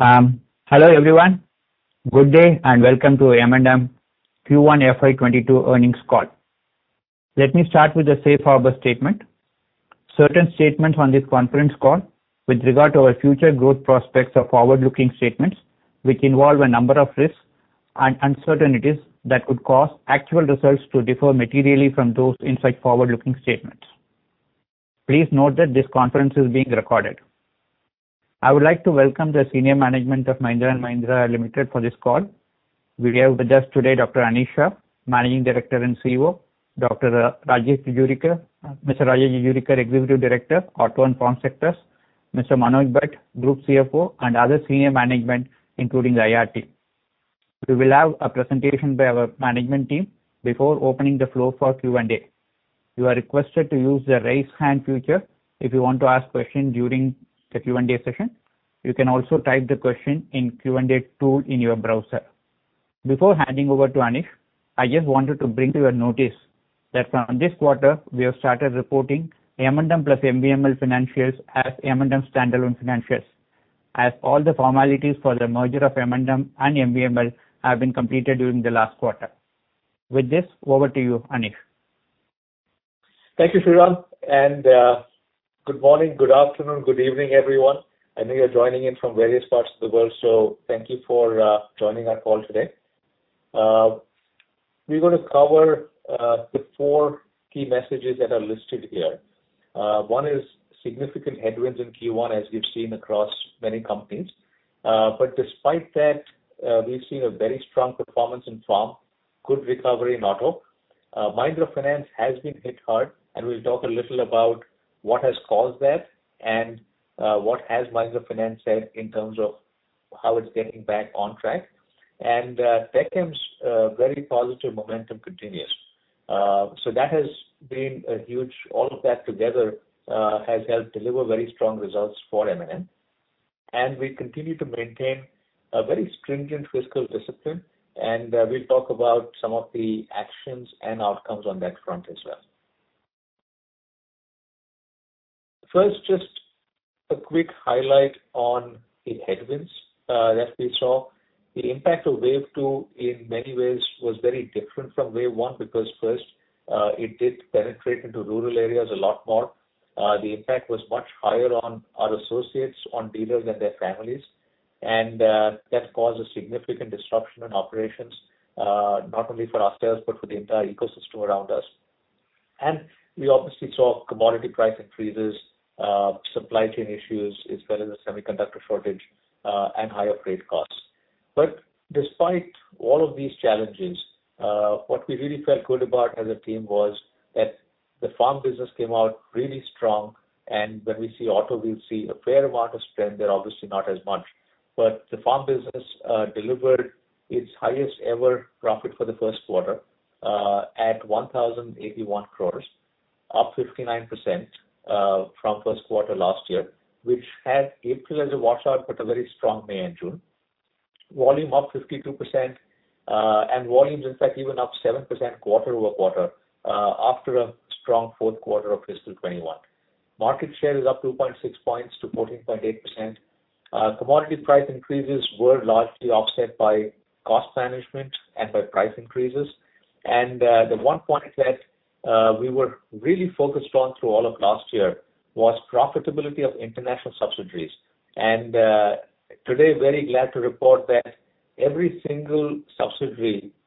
Hello everyone. Good day and welcome to M&M Q1 FY 2022 earnings call. Let me start with a safe harbor statement. Certain statements on this conference call with regard to our future growth prospects are forward-looking statements, which involve a number of risks and uncertainties that could cause actual results to differ materially from those in such forward-looking statements. Please note that this conference is being recorded. I would like to welcome the senior management of Mahindra & Mahindra Limited for this call. We have with us today Dr. Anish Shah, Managing Director and CEO; Mr. Rajesh Jejurikar, Executive Director, Auto and Farm Sectors; Mr. Manoj Bhat, Group CFO; and other senior management, including the IR team. We will have a presentation by our management team before opening the floor for Q&A. You are requested to use the raise hand feature if you want to ask questions during the Q&A session. You can also type the question in Q&A tool in your browser. Before handing over to Anish, I just wanted to bring to your notice that from this quarter, we have started reporting M&M plus MVML financials as M&M standalone financials, as all the formalities for the merger of M&M and MVML have been completed during the last quarter. With this, over to you, Anish. Thank you, Sriram, good morning, good afternoon, good evening, everyone. I know you're joining in from various parts of the world, so thank you for joining our call today. We're going to cover the four key messages that are listed here. One is significant headwinds in Q1, as we've seen across many companies. Despite that, we've seen a very strong performance in farm, good recovery in auto. Mahindra Finance has been hit hard, and we'll talk a little about what has caused that and what has Mahindra Finance said in terms of how it's getting back on track. Tech Mahindra's very positive momentum continues. All of that together has helped deliver very strong results for M&M. We continue to maintain a very stringent fiscal discipline, and we'll talk about some of the actions and outcomes on that front as well. Just a quick highlight on the headwinds that we saw. The impact of Wave 2 in many ways was very different from Wave 1, because it did penetrate into rural areas a lot more. The impact was much higher on our associates, on dealers and their families. That caused a significant disruption in operations, not only for ourselves, but for the entire ecosystem around us. We obviously saw commodity price increases, supply chain issues, as well as a semiconductor shortage, and higher freight costs. Despite all of these challenges, what we really felt good about as a team was that the farm business came out really strong, and when we see auto, we see a fair amount of strength there, obviously not as much. The farm business delivered its highest ever profit for the first quarter, at 1,081 crore, up 59% from first quarter last year, which had April as a washout, but a very strong May and June. Volume up 52%, and volumes in fact even up 7% quarter-over-quarter, after a strong fourth quarter of FY 2021. Market share is up 2.6 points to 14.8%. Commodity price increases were largely offset by cost management and by price increases. The one point that we were really focused on through all of last year was profitability of international subsidiaries. Today, very glad to report that every single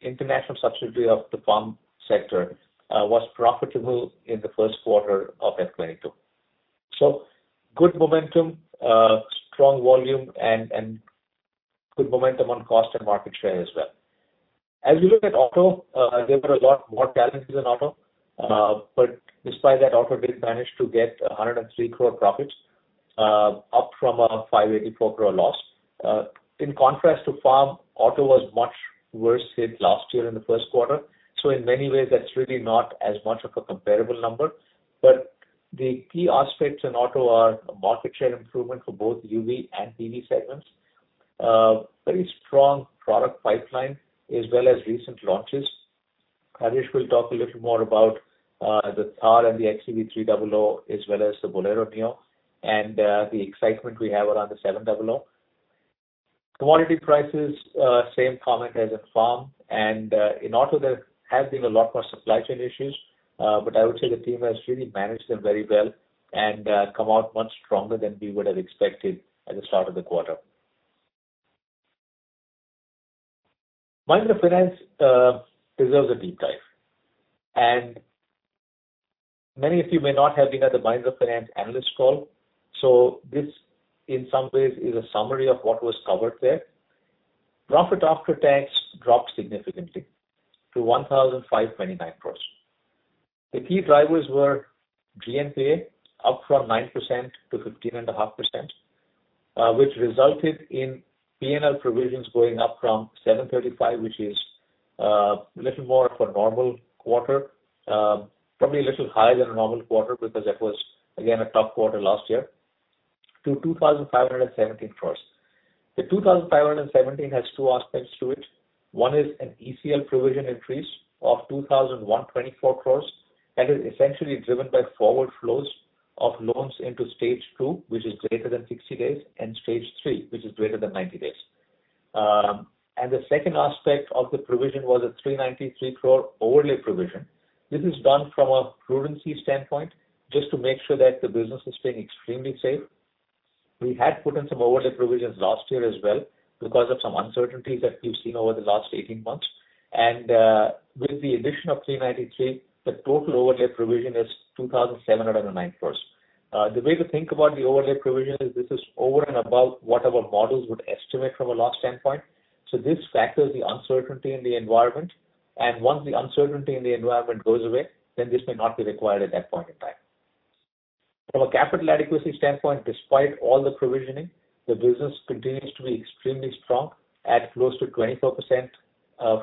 international subsidiary of the farm sector was profitable in the first quarter of FY 2022. Good momentum, strong volume, and good momentum on cost and market share as well. As we look at auto, there were a lot more challenges in auto. Despite that, auto did manage to get 103 crore profits, up from a 584 crore loss. In contrast to farm, auto was much worse hit last year in the first quarter. In many ways, that's really not as much of a comparable number. The key aspects in auto are market share improvement for both UV and PV segments. Very strong product pipeline, as well as recent launches. Harish will talk a little more about the Thar and the XUV300, as well as the Bolero Neo and the excitement we have around the 700. Commodity prices, same comment as in farm. In auto, there has been a lot more supply chain issues. I would say the team has really managed them very well and come out much stronger than we would have expected at the start of the quarter. Mahindra Finance deserves a deep dive. Many of you may not have been at the Mahindra Finance analyst call, so this in some ways is a summary of what was covered there. Profit after tax dropped significantly to 1,529 crores. The key drivers were GNPA, up from 9% to 15.5%, which resulted in P&L provisions going up from 735, which is a little more for a normal quarter, probably a little higher than a normal quarter because that was again, a tough quarter last year, to 2,570 crores. The 2,570 has two aspects to it. One is an ECL provision increase of 2,124 crores that is essentially driven by forward flows of loans into stage 2, which is greater than 60 days, and stage 3, which is greater than 90 days. The second aspect of the provision was a 393 crore overlay provision. This is done from a prudency standpoint just to make sure that the business is staying extremely safe. We had put in some overlay provisions last year as well because of some uncertainties that we've seen over the last 18 months. With the addition of 393, the total overlay provision is 2,709 crores. The way to think about the overlay provision is this is over and above what our models would estimate from a loss standpoint. This factors the uncertainty in the environment, and once the uncertainty in the environment goes away, then this may not be required at that point in time. From a capital adequacy standpoint, despite all the provisioning, the business continues to be extremely strong at close to 24%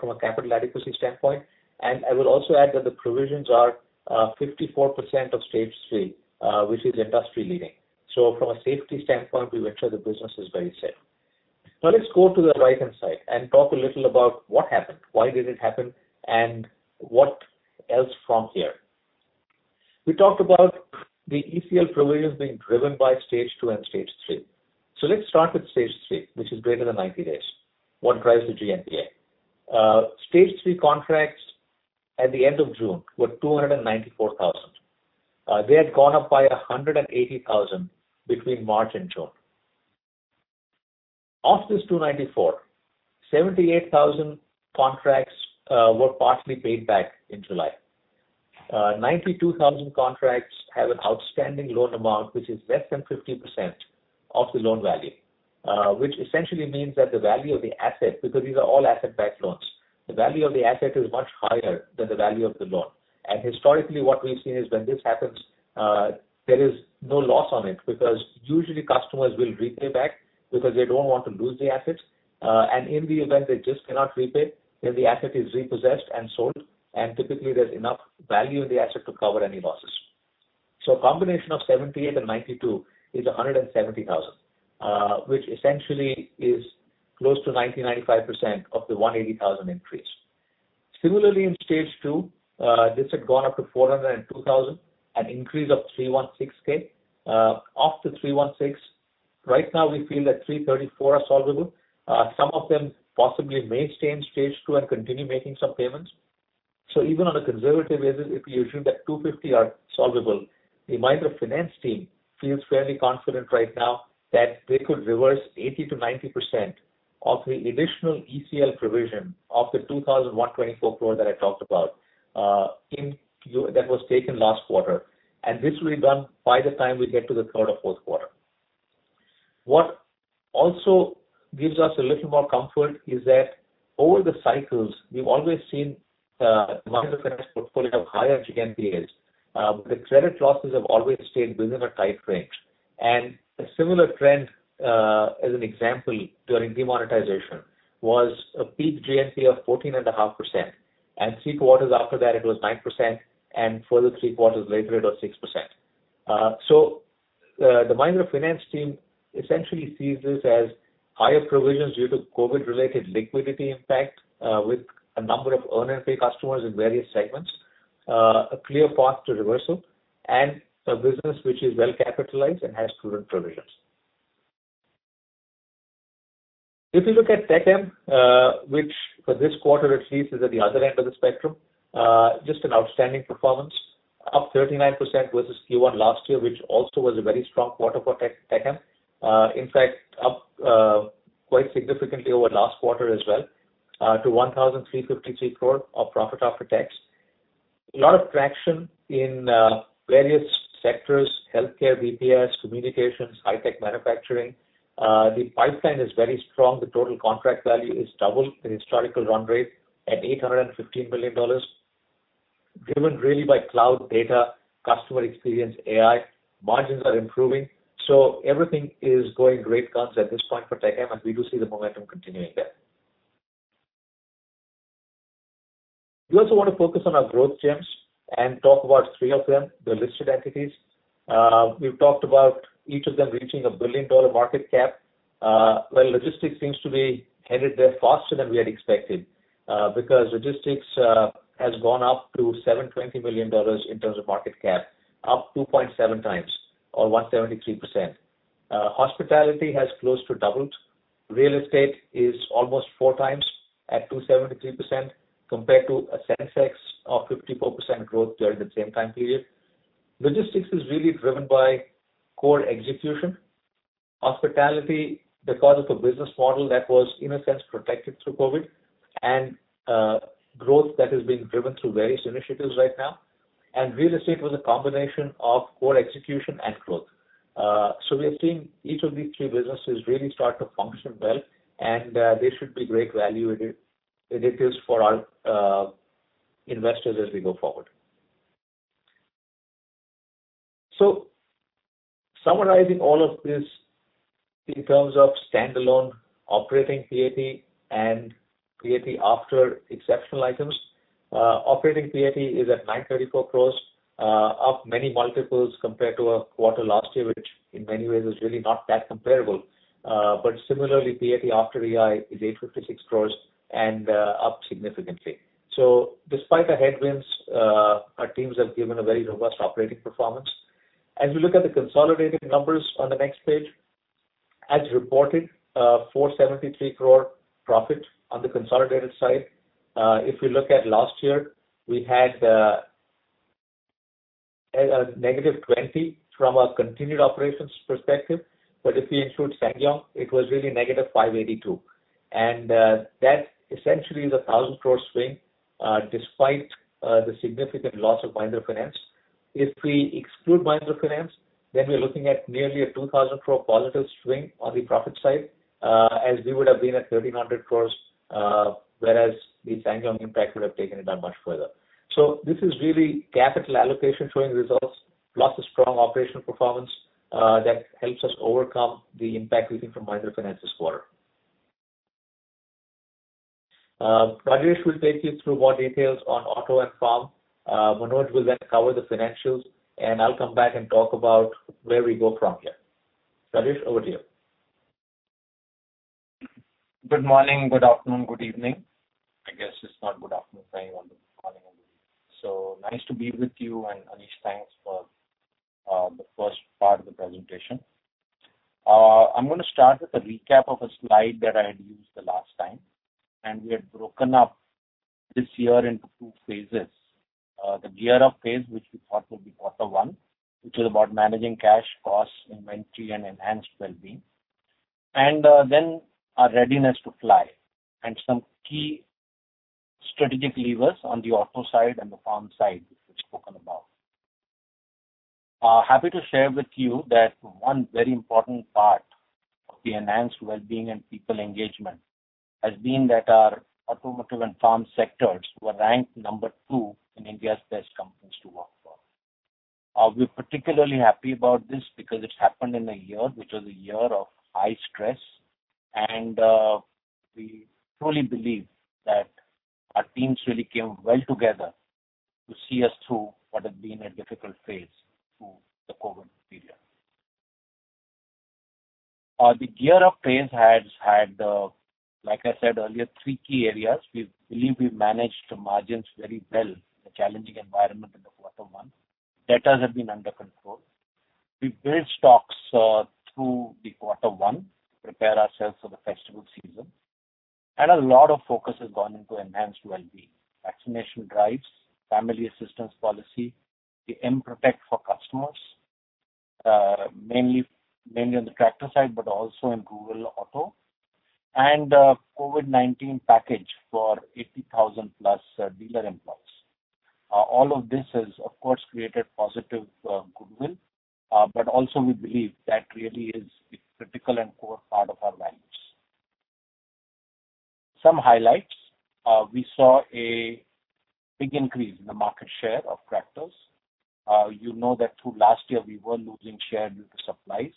from a capital adequacy standpoint. I will also add that the provisions are 54% of stage 3, which is industry-leading. From a safety standpoint, we make sure the business is very safe. Let's go to the right-hand side and talk a little about what happened, why did it happen, and what else from here. We talked about the ECL provisions being driven by stage 2 and stage 3. Let's start with stage 3, which is greater than 90 days. What drives the GNPA? Stage 3 contracts at the end of June were 294,000. They had gone up by 180,000 between March and June. Of this 294, 78,000 contracts were partially paid back in July. 92,000 contracts have an outstanding loan amount, which is less than 50% of the loan value, which essentially means that the value of the asset, because these are all asset-backed loans, the value of the asset is much higher than the value of the loan. Historically, what we've seen is when this happens, there is no loss on it, because usually customers will repay back because they don't want to lose the assets. In the event they just cannot repay, then the asset is repossessed and sold, and typically, there's enough value in the asset to cover any losses. A combination of 78 and 92 is 170,000, which essentially is close to 90-95% of the 180,000 increase. Similarly, in stage 2, this had gone up to 402,000, an increase of 316,000. Of the 316,000, right now we feel that 334,000 are solvable. Some of them possibly may stay in stage 2 and continue making some payments. Even on a conservative basis, if you assume that 250 are solvable, the Mahindra Finance team feels fairly confident right now that they could reverse 80%-90% of the additional ECL provision of the 2,124 crore that I talked about that was taken last quarter. This will be done by the time we get to the third or fourth quarter. What also gives us a little more comfort is that over the cycles, we've always seen Mahindra Finance portfolio higher GNPAs. The credit losses have always stayed within a tight range. A similar trend, as an example, during demonetization was a peak GNPA of 14.5%, and three quarters after that, it was 9%, and further three quarters later, it was 6%. The Mahindra Finance team essentially sees this as higher provisions due to COVID-related liquidity impact, with a number of earn and pay customers in various segments, a clear path to reversal, and a business which is well-capitalized and has prudent provisions. If you look at Tech Mahindra, which for this quarter at least is at the other end of the spectrum, just an outstanding performance. Up 39% versus Q1 last year, which also was a very strong quarter for Tech Mahindra. In fact, up quite significantly over last quarter as well to 1,353 crore of profit after tax. A lot of traction in various sectors, healthcare, BPS, communications, high-tech manufacturing. The pipeline is very strong. The total contract value is double the historical run rate at $815 million, driven really by cloud data, customer experience, AI. Margins are improving. Everything is going great guns at this point for Tech Mahindra, and we do see the momentum continuing there. We also want to focus on our growth gems and talk about three of them, the listed entities. We've talked about each of them reaching a billion-dollar market cap, while Logistics seems to be headed there faster than we had expected, because Logistics has gone up to $720 million in terms of market cap, up 2.7 times or 173%. Hospitality has close to doubled. Real estate is almost four times at 273% compared to a Sensex of 54% growth during the same time period. Logistics is really driven by core execution. Hospitality, because of a business model that was, in a sense, protected through COVID, and growth that is being driven through various initiatives right now. And Real estate was a combination of core execution and growth. We are seeing each of these three businesses really start to function well, and they should be great value additions for our investors as we go forward. Summarizing all of this in terms of standalone operating PAT and PAT after exceptional items. Operating PAT is at ₹934 crores, up many multiples compared to our quarter last year, which in many ways is really not that comparable. Similarly, PAT after EI is ₹856 crores and up significantly. Despite the headwinds, our teams have given a very robust operating performance. As you look at the consolidated numbers on the next page, as reported, ₹473 crore profit on the consolidated side. If you look at last year, we had a negative 20 from a continued operations perspective, but if we include SsangYong, it was really negative 582. That essentially is a ₹1,000 crore swing, despite the significant loss of Mahindra Finance. If we exclude Mahindra Finance, then we are looking at nearly a ₹2,000 crore positive swing on the profit side, as we would have been at ₹1,300 crore, whereas the SsangYong impact would have taken it down much further. This is really capital allocation showing results, plus a strong operational performance that helps us overcome the impact we think from Mahindra Finance this quarter. Rajesh will take you through more details on auto and farm. Manoj will then cover the financials, and I'll come back and talk about where we go from here. Rajesh, over to you. Good morning, good afternoon, good evening. I guess it's not good afternoon for anyone, morning only. Nice to be with you, and Anish, thanks for the first part of the presentation. I'm going to start with a recap of a slide that I had used the last time, we had broken up this year into two phases. The gear up phase, which we thought will be quarter one, which is about managing cash, costs, inventory and enhanced wellbeing, then our readiness to fly and some key strategic levers on the auto side and the farm side, which we've spoken about. Happy to share with you that one very important part of the enhanced wellbeing and people engagement has been that our automotive and farm sectors were ranked number two in India's Best Companies to Work For. We're particularly happy about this because it has happened in a year which was a year of high stress, and we truly believe that our teams really came well together to see us through what has been a difficult phase through the COVID period. The gear up phase has had, like I said earlier, three key areas. We believe we have managed the margins very well in a challenging environment in Q1. Debtors have been under control. We built stocks through Q1 to prepare ourselves for the festival season. A lot of focus has gone into enhanced wellbeing, vaccination drives, family assistance policy, the M-Protect for customers, mainly on the tractor side, but also in Mahindra Auto. COVID-19 package for 80,000-plus dealer employees. All of this has, of course, created positive goodwill, but also we believe that really is a critical and core part of our values. Some highlights. We saw a big increase in the market share of tractors. You know that through last year, we were losing share due to supplies,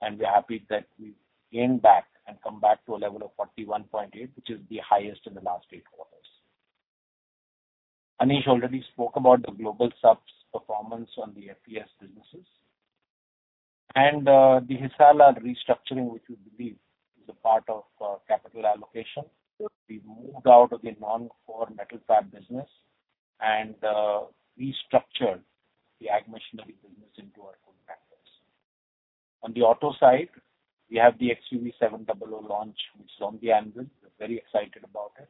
and we're happy that we've gained back and come back to a level of 41.8, which is the highest in the last eight quarters. Anish already spoke about the global subs performance on the FES businesses. The Hisarlar restructuring, which we believe is a part of capital allocation. We've moved out of the non-ferrous metal fab business and restructured the ag machinery business into our own tractors. On the auto side, we have the XUV700 launch, which is on the anvil. We're very excited about it.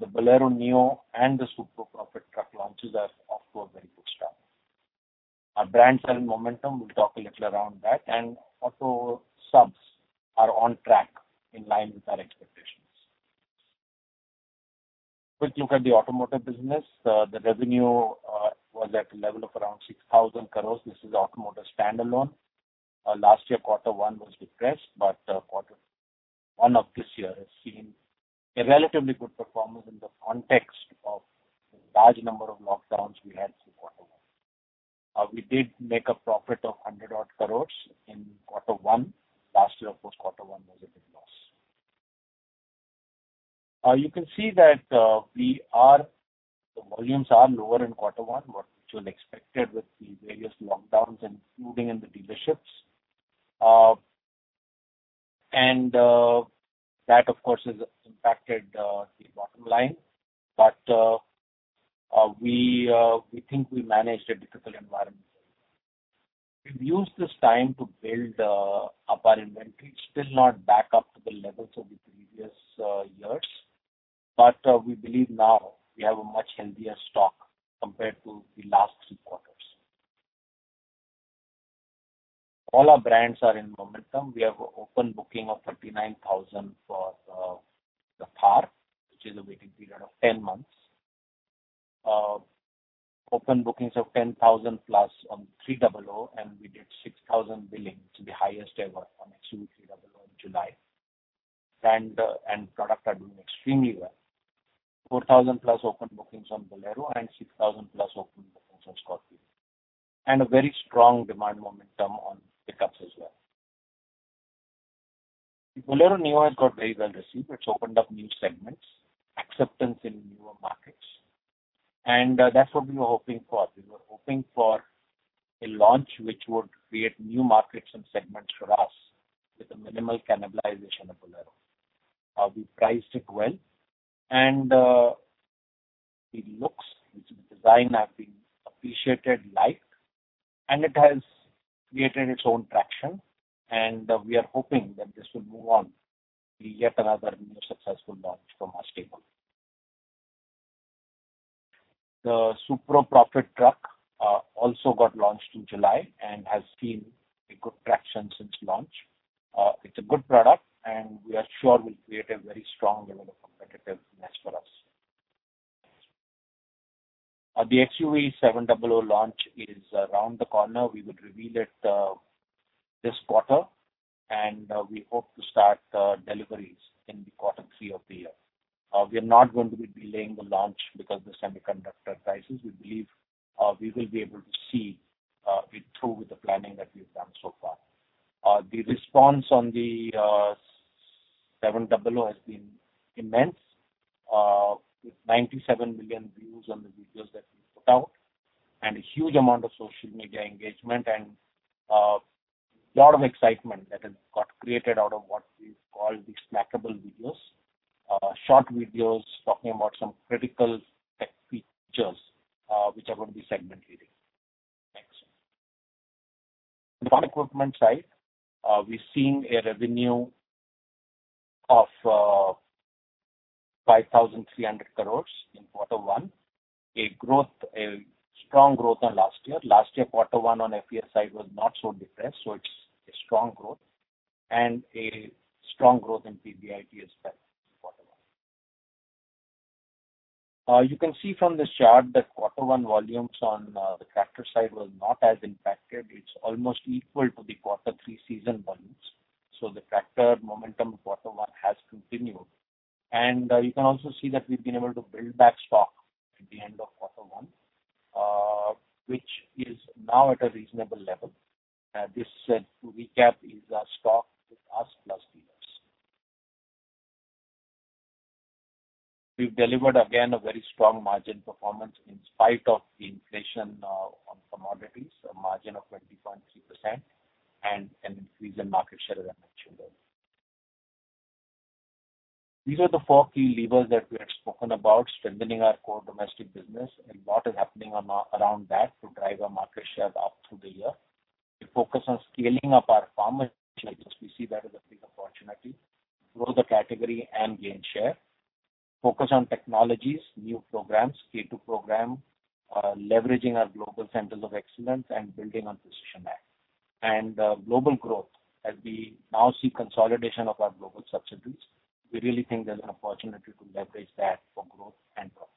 The Bolero Neo and the Supro Profit Truck launches are off to a very good start. Our brands are in momentum. We'll talk a little around that. Auto subs are on track in line with our expectations. Quick look at the automotive business. The revenue was at a level of around ₹6,000 crores. This is automotive standalone. Last year, quarter one was depressed. Quarter one of this year has seen a relatively good performance in the context of the large number of lockdowns we had through quarter one. We did make a profit of 100 odd crores in quarter one. Last year, of course, quarter one was a big loss. You can see that the volumes are lower in quarter one, which was expected with the various lockdowns including in the dealerships. That, of course, has impacted the bottom line. We think we managed a difficult environment well. We've used this time to build up our inventory. It's still not back up to the levels of the previous years, but we believe now we have a much healthier stock compared to the last three quarters. All our brands are in momentum. We have open booking of 39,000 for the Thar, which is a waiting period of 10 months. Open bookings of 10,000-plus on 300, and we did 6,000 billing to the highest ever on XUV300 in July. Product are doing extremely well. 4,000-plus open bookings on Bolero and 6,000-plus open bookings on Scorpio. A very strong demand momentum on pickups as well. The Bolero Neo has got very well received. It's opened up new segments, acceptance in newer markets, and that's what we were hoping for. We were hoping for a launch which would create new markets and segments for us with a minimal cannibalization of Bolero. We priced it well. The looks, which is the design, have been appreciated, liked, and it has created its own traction, and we are hoping that this will move on to be yet another new successful launch from our stable. The Supro Profit Truck also got launched in July and has seen a good traction since launch. It is a good product, and we are sure will create a very strong level of competitiveness for us. The XUV700 launch is around the corner. We would reveal it this quarter, and we hope to start deliveries in the quarter three of the year. We are not going to be delaying the launch because the semiconductor crisis. We believe we will be able to see it through with the planning that we've done so far. The response on the 700 has been immense, with 97 million views on the videos that we put out and a huge amount of social media engagement and a lot of excitement that has got created out of what we've called the snackable videos, short videos talking about some critical tech features, which are going to be segment leading. Next, on equipment side, we're seeing a revenue of 5,300 crore in quarter one, a strong growth on last year. Last year, quarter one on FES side was not so depressed, so it's a strong growth, and a strong growth in PBIT as well in quarter one. You can see from this chart that quarter one volumes on the tractor side was not as impacted. It's almost equal to the quarter three season volumes. The tractor momentum quarter one has continued. You can also see that we've been able to build back stock at the end of quarter one, which is now at a reasonable level. This said, to recap, is our stock with us plus dealers. We've delivered again a very strong margin performance in spite of the inflation on commodities, a margin of 20.3% and an increase in market share I mentioned earlier. These are the four key levers that we had spoken about, strengthening our core domestic business and what is happening around that to drive our market shares up through the year. We focus on scaling up our farm initiatives. We see that as a big opportunity. Grow the category and gain share, focus on technologies, new programs, K2 program, leveraging our global centers of excellence and building on precision ag. Global growth, as we now see consolidation of our global subsidiaries, we really think there's an opportunity to leverage that for growth and profits.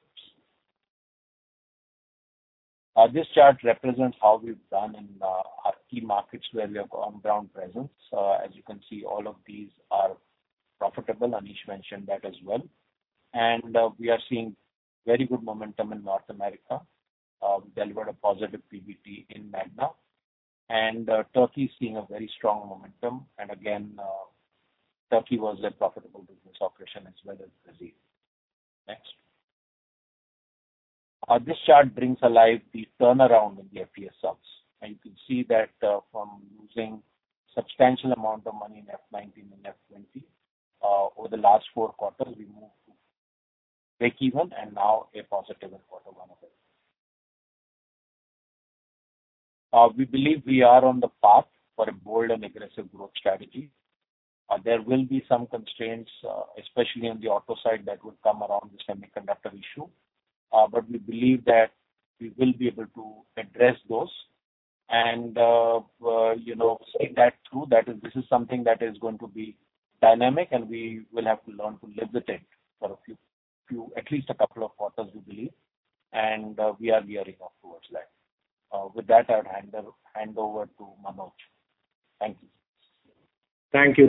This chart represents how we've done in our key markets where we have on-ground presence. As you can see, all of these are profitable. Anish mentioned that as well. We are seeing very good momentum in North America. We delivered a positive PBT in MAgNA. Turkey is seeing a very strong momentum. Again, Turkey was a profitable business operation as well as Brazil. Next. This chart brings alive the turnaround in the FES subs. You can see that from losing substantial amount of money in FY 2019 and FY 2020, over the last four quarters, we moved to breakeven and now a positive in quarter one of FY 2021. We believe we are on the path for a bold and aggressive growth strategy. There will be some constraints, especially on the auto side that would come around the semiconductor issue, we believe that we will be able to address those and, saying that too, that this is something that is going to be dynamic and we will have to learn to live with it for at least a couple of quarters, we believe, and we are gearing up towards that. With that, I'll hand over to Manoj. Thank you.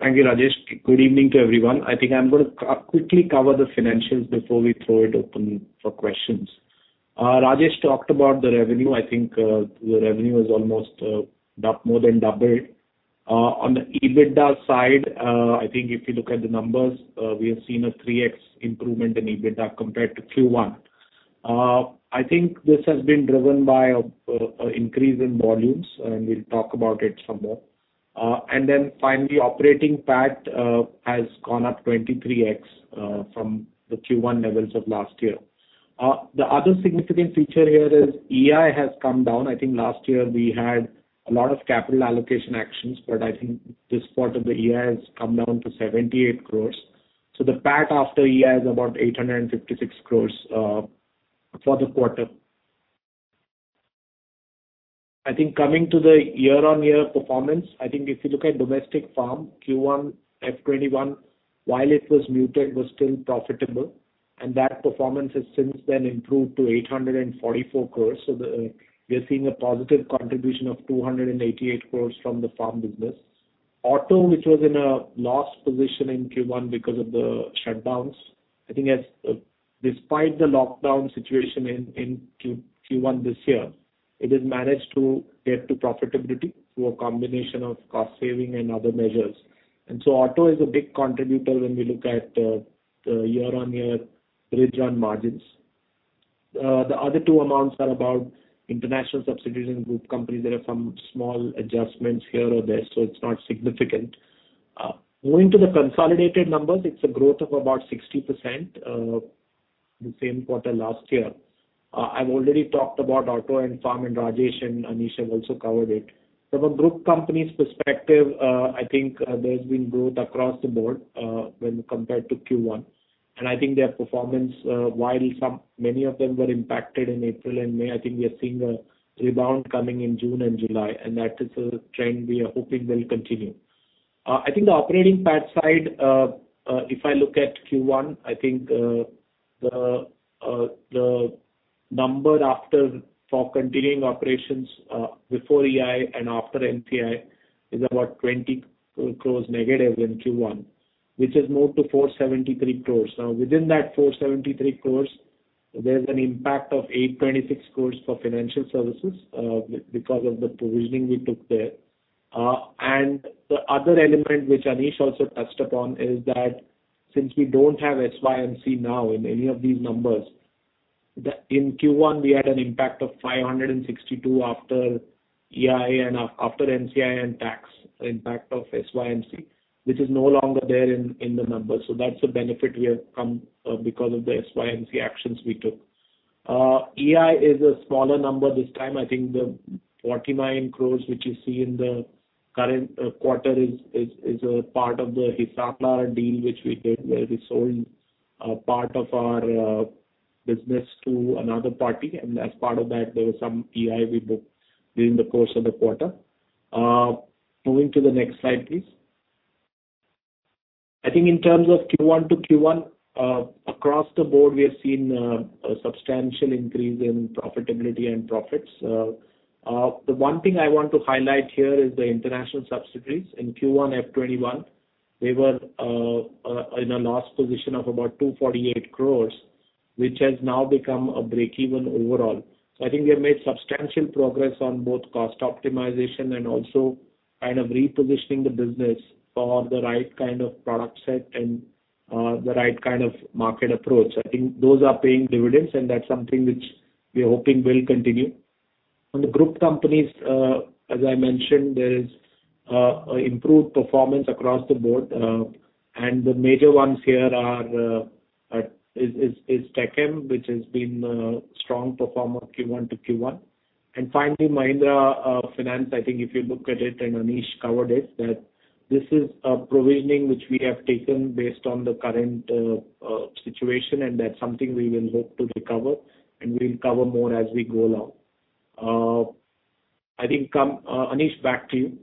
Thank you, Rajesh. Good evening to everyone. I think I'm going to quickly cover the financials before we throw it open for questions. Rajesh talked about the revenue. I think the revenue is almost more than doubled. On the EBITDA side, I think if you look at the numbers, we have seen a 3X improvement in EBITDA compared to Q1. I think this has been driven by an increase in volumes, we'll talk about it some more. Then finally, operating PAT has gone up 23X from the Q1 levels of last year. The other significant feature here is EI has come down. I think last year we had a lot of capital allocation actions, this part of the year has come down to 78 crores. The PAT after EI is about 856 crores for the quarter. Coming to the year-on-year performance, I think if you look at domestic farm, Q1 FY21, while it was muted, was still profitable. That performance has since then improved to 844 crores. We are seeing a positive contribution of 288 crores from the farm business. Auto, which was in a loss position in Q1 because of the shutdowns. I think despite the lockdown situation in Q1 this year, it has managed to get to profitability through a combination of cost-saving and other measures. Auto is a big contributor when we look at the year-on-year bridge on margins. The other two amounts are about international subsidiaries and group companies. There are some small adjustments here or there, so it's not significant. Moving to the consolidated numbers, it's a growth of about 60% the same quarter last year. I've already talked about Auto and Farm, and Rajesh and Anish have also covered it. From a group company's perspective, I think there's been growth across the board, when compared to Q1. I think their performance, while many of them were impacted in April and May, I think we are seeing a rebound coming in June and July, and that is a trend we are hoping will continue. I think the operating PAT side, if I look at Q1, I think the number after for continuing operations, before EI and after NCI, is about 20 crores negative in Q1, which has moved to 473 crores. Now, within that 473 crores, there's an impact of 826 crores for financial services, because of the provisioning we took there. The other element which Anish Shah also touched upon is that since we don't have SYMC now in any of these numbers, in Q1, we had an impact of 562 after EI and after NCI and tax impact of SYMC, which is no longer there in the numbers. That's a benefit we have from because of the SYMC actions we took. EI is a smaller number this time. I think the 49 crores, which you see in the current quarter, is a part of the Hisar deal, which we did, where we sold a part of our business to another party. As part of that, there was some EI we booked during the course of the quarter. Moving to the next slide, please. I think in terms of Q1 to Q1, across the board, we have seen a substantial increase in profitability and profits. The one thing I want to highlight here is the international subsidiaries. In Q1 FY21, they were in a loss position of about 248 crores, which has now become a break-even overall. I think we have made substantial progress on both cost optimization and also kind of repositioning the business for the right kind of product set and the right kind of market approach. I think those are paying dividends, and that's something which we are hoping will continue. On the group companies, as I mentioned, there is improved performance across the board. The major ones here is TechM, which has been a strong performer Q1 to Q1. Finally, Mahindra Finance, I think if you look at it, Anish covered it, that this is a provisioning which we have taken based on the current situation, and that's something we will hope to recover. We'll cover more as we go along. I think, Anish, back to you.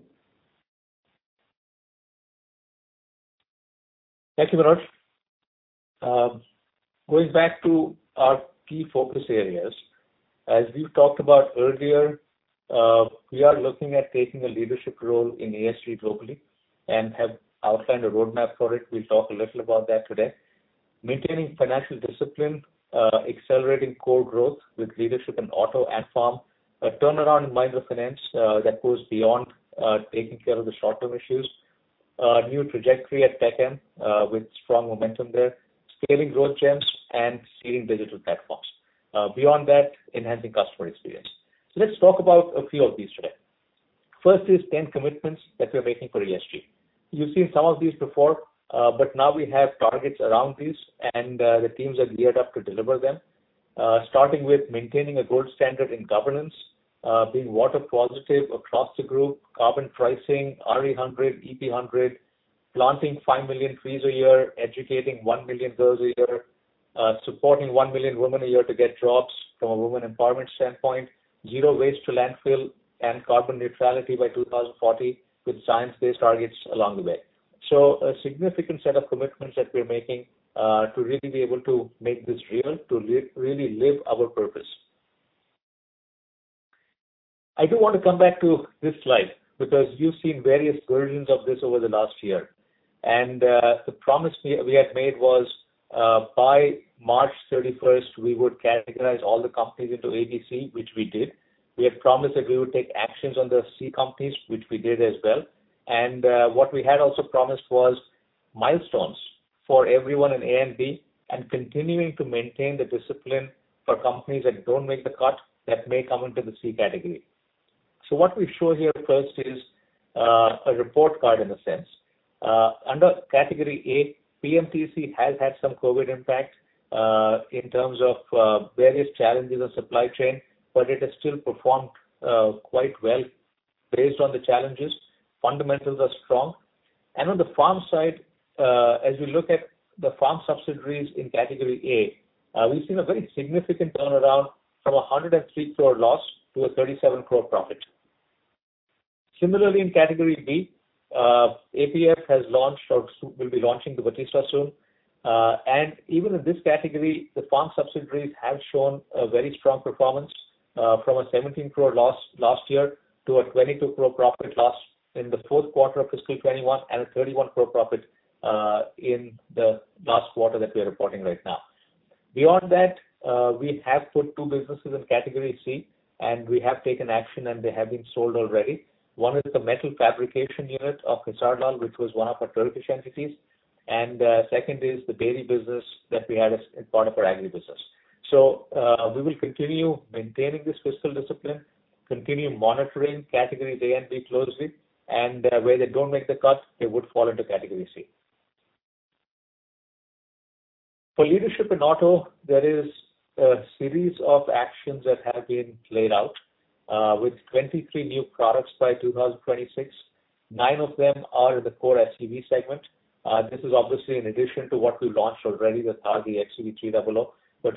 Thank you, Manoj. Going back to our key focus areas, as we've talked about earlier, we are looking at taking a leadership role in ESG globally and have outlined a roadmap for it. We'll talk a little about that today. Maintaining financial discipline, accelerating core growth with leadership in Auto and Farm. A turnaround in Mahindra Finance that goes beyond taking care of the short-term issues. A new trajectory at TechM, with strong momentum there. Scaling growth gems and seeding digital platforms. Beyond that, enhancing customer experience. Let's talk about a few of these today. First is 10 commitments that we are making for ESG. You've seen some of these before, but now we have targets around these, and the teams are geared up to deliver them. Starting with maintaining a gold standard in governance, being water positive across the group, carbon pricing, RE100, EP100, planting five million trees a year, educating one million girls a year, supporting one million women a year to get jobs from a woman empowerment standpoint, zero waste to landfill, and carbon neutrality by 2040, with science-based targets along the way. A significant set of commitments that we're making to really be able to make this real, to really live our purpose. I do want to come back to this slide, because you've seen various versions of this over the last year. The promise we had made was, by March 31, we would categorize all the companies into A, B, C, which we did. We had promised that we would take actions on the C companies, which we did as well. What we had also promised was milestones for everyone in A and B and continuing to maintain the discipline for companies that don't make the cut that may come into the C category. What we show here first is a report card in a sense. Under category A, PMTC has had some COVID impact, in terms of various challenges of supply chain, but it has still performed quite well based on the challenges. Fundamentals are strong. On the Farm side, as we look at the Farm subsidiaries in category A, we've seen a very significant turnaround from 103 crore loss to a 37 crore profit. Similarly, in category B, APF has launched or will be launching the Battista soon. Even in this category, the Farm subsidiaries have shown a very strong performance. From an 17 crore loss last year to an 22 crore profit in the fourth quarter of FY 2021 and an INR 31 crore profit in the last quarter that we are reporting right now. Beyond that, we have put 2 businesses in Category C, and we have taken action, and they have been sold already. One is the metal fabrication unit of Hisarlar, which was one of our Turkish entities. Second is the dairy business that we had as part of our agribusiness. We will continue maintaining this fiscal discipline, continue monitoring Categories A and B closely. Where they don't make the cut, they would fall into Category C. For leadership in auto, there is a series of actions that have been laid out, with 23 new products by 2026. 9 of them are in the core SUV segment. This is obviously in addition to what we launched already, the Thar, the XUV300.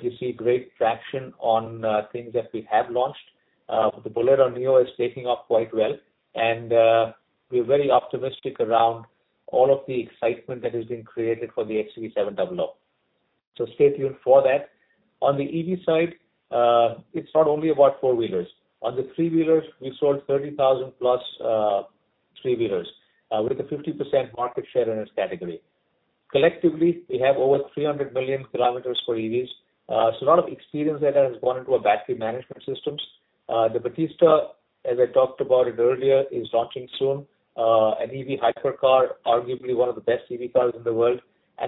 You see great traction on things that we have launched. The Bolero Neo is taking off quite well, and we're very optimistic around all of the excitement that has been created for the XUV700. Stay tuned for that. On the EV side, it's not only about four wheelers. On the three wheelers, we sold 30,000+ three wheelers, with a 50% market share in its category. Collectively, we have over 300 million kilometers for EVs. A lot of experience there has gone into our battery management systems. The Battista, as I talked about it earlier, is launching soon, an EV hypercar, arguably one of the best EV cars in the world.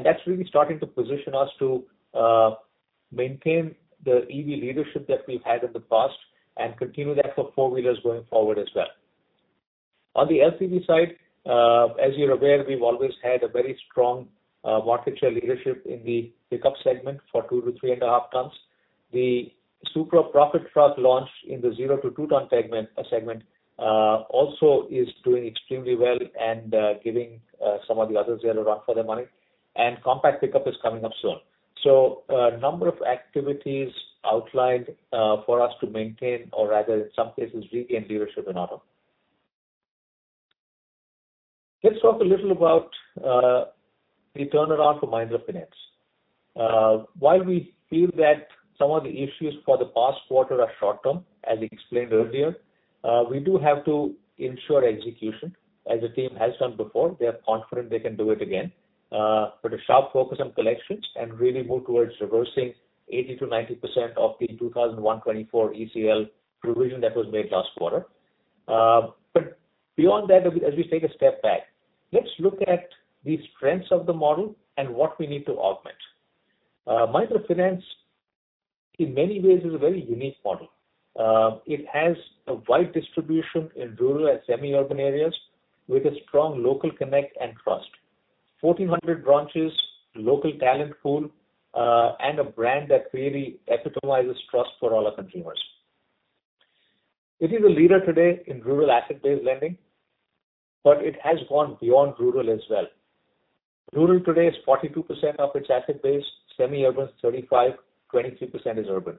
That's really starting to position us to maintain the EV leadership that we've had in the past and continue that for four-wheelers going forward as well. On the LCV side, as you're aware, we've always had a very strong market share leadership in the pickup segment for two to 3.5 tons. The Supro Profit Truck launch in the 0 to 2-ton segment also is doing extremely well and giving some of the others there a run for their money. Compact pickup is coming up soon. A number of activities outlined for us to maintain or rather, in some cases, regain leadership in auto. Let's talk a little about the turnaround for Mahindra Finance. While we feel that some of the issues for the past quarter are short-term, as explained earlier, we do have to ensure execution, as the team has done before. They are confident they can do it again. Put a sharp focus on collections and really move towards reversing 80%-90% of the 2024 ECL provision that was made last quarter. Beyond that, as we take a step back, let's look at the strengths of the model and what we need to augment. Mahindra Finance, in many ways, is a very unique model. It has a wide distribution in rural and semi-urban areas with a strong local connect and trust. 1,400 branches, local talent pool, and a brand that really epitomizes trust for all our consumers. It is a leader today in rural asset-based lending, but it has gone beyond rural as well. Rural today is 42% of its asset base, semi-urban is 35%, 23% is urban.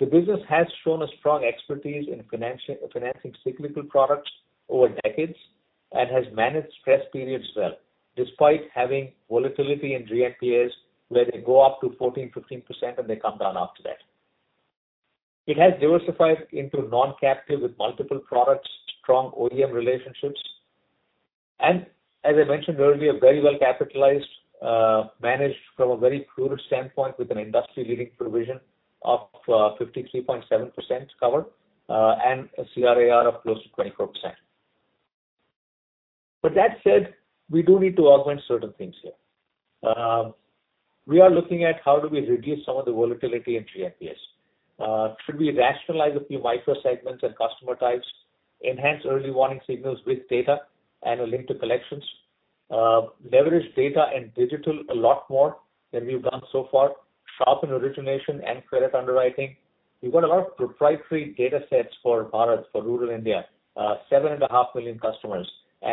The business has shown a strong expertise in financing cyclical products over decades and has managed stress periods well, despite having volatility in GNPAs where they go up to 14%, 15%, and they come down after that. It has diversified into non-captive with multiple products, strong OEM relationships, and as I mentioned earlier, very well capitalized, managed from a very prudent standpoint with an industry-leading provision of 53.7% covered, and a CRAR of close to 24%. That said, we do need to augment certain things here. We are looking at how do we reduce some of the volatility in GNPAs. Should we rationalize a few micro segments and customer types, enhance early warning signals with data and a link to collections? Leverage data and digital a lot more than we've done so far. Sharpen origination and credit underwriting. We've got a lot of proprietary data sets for Bharat, for rural India. 7.5 million customers,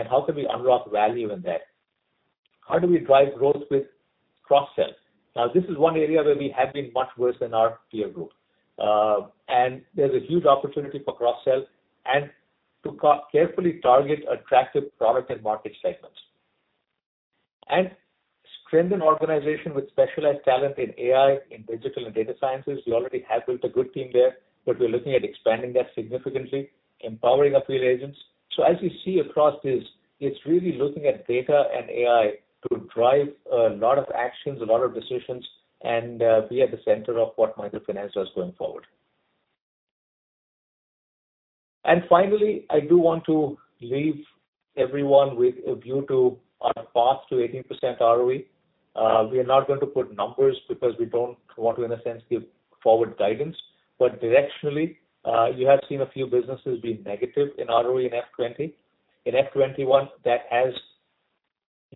how can we unlock value in that? How do we drive growth with cross-sell? This is one area where we have been much worse than our peer group. There's a huge opportunity for cross-sell and to carefully target attractive product and market segments. Strengthen organization with specialized talent in AI, in digital and data sciences. We already have built a good team there, but we're looking at expanding that significantly, empowering our field agents. As you see across this, it's really looking at data and AI to drive a lot of actions, a lot of decisions, and be at the center of what Mahindra Finance does going forward. Finally, I do want to leave everyone with a view to our path to 18% ROE. We are not going to put numbers because we don't want to, in a sense, give forward guidance. Directionally, you have seen a few businesses being negative in ROE in FY 2020. In FY 2021, that has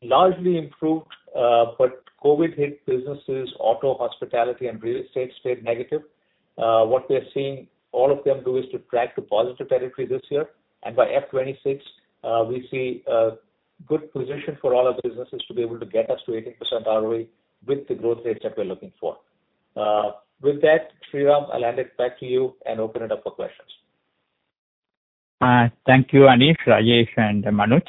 largely improved, but COVID hit businesses, auto, hospitality, and real estate stayed negative. What we are seeing all of them do is to track to positive territory this year. By FY 2026, we see a good position for all our businesses to be able to get us to 18% ROE with the growth rates that we're looking for. With that, Sriram, I'll hand it back to you and open it up for questions. Thank you, Anish, Rajesh, and Manoj.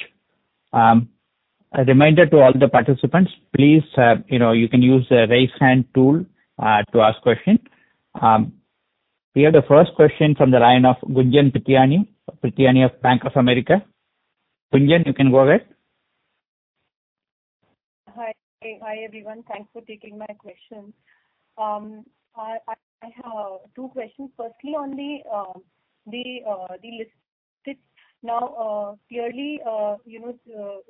A reminder to all the participants, please, you can use the Raise Hand tool to ask questions. We have the first question from the line of Gunjan Prithyani of Bank of America. Gunjan, you can go ahead. Hi, everyone. Thanks for taking my questions. I have two questions. Firstly, on the listed. Now, clearly, it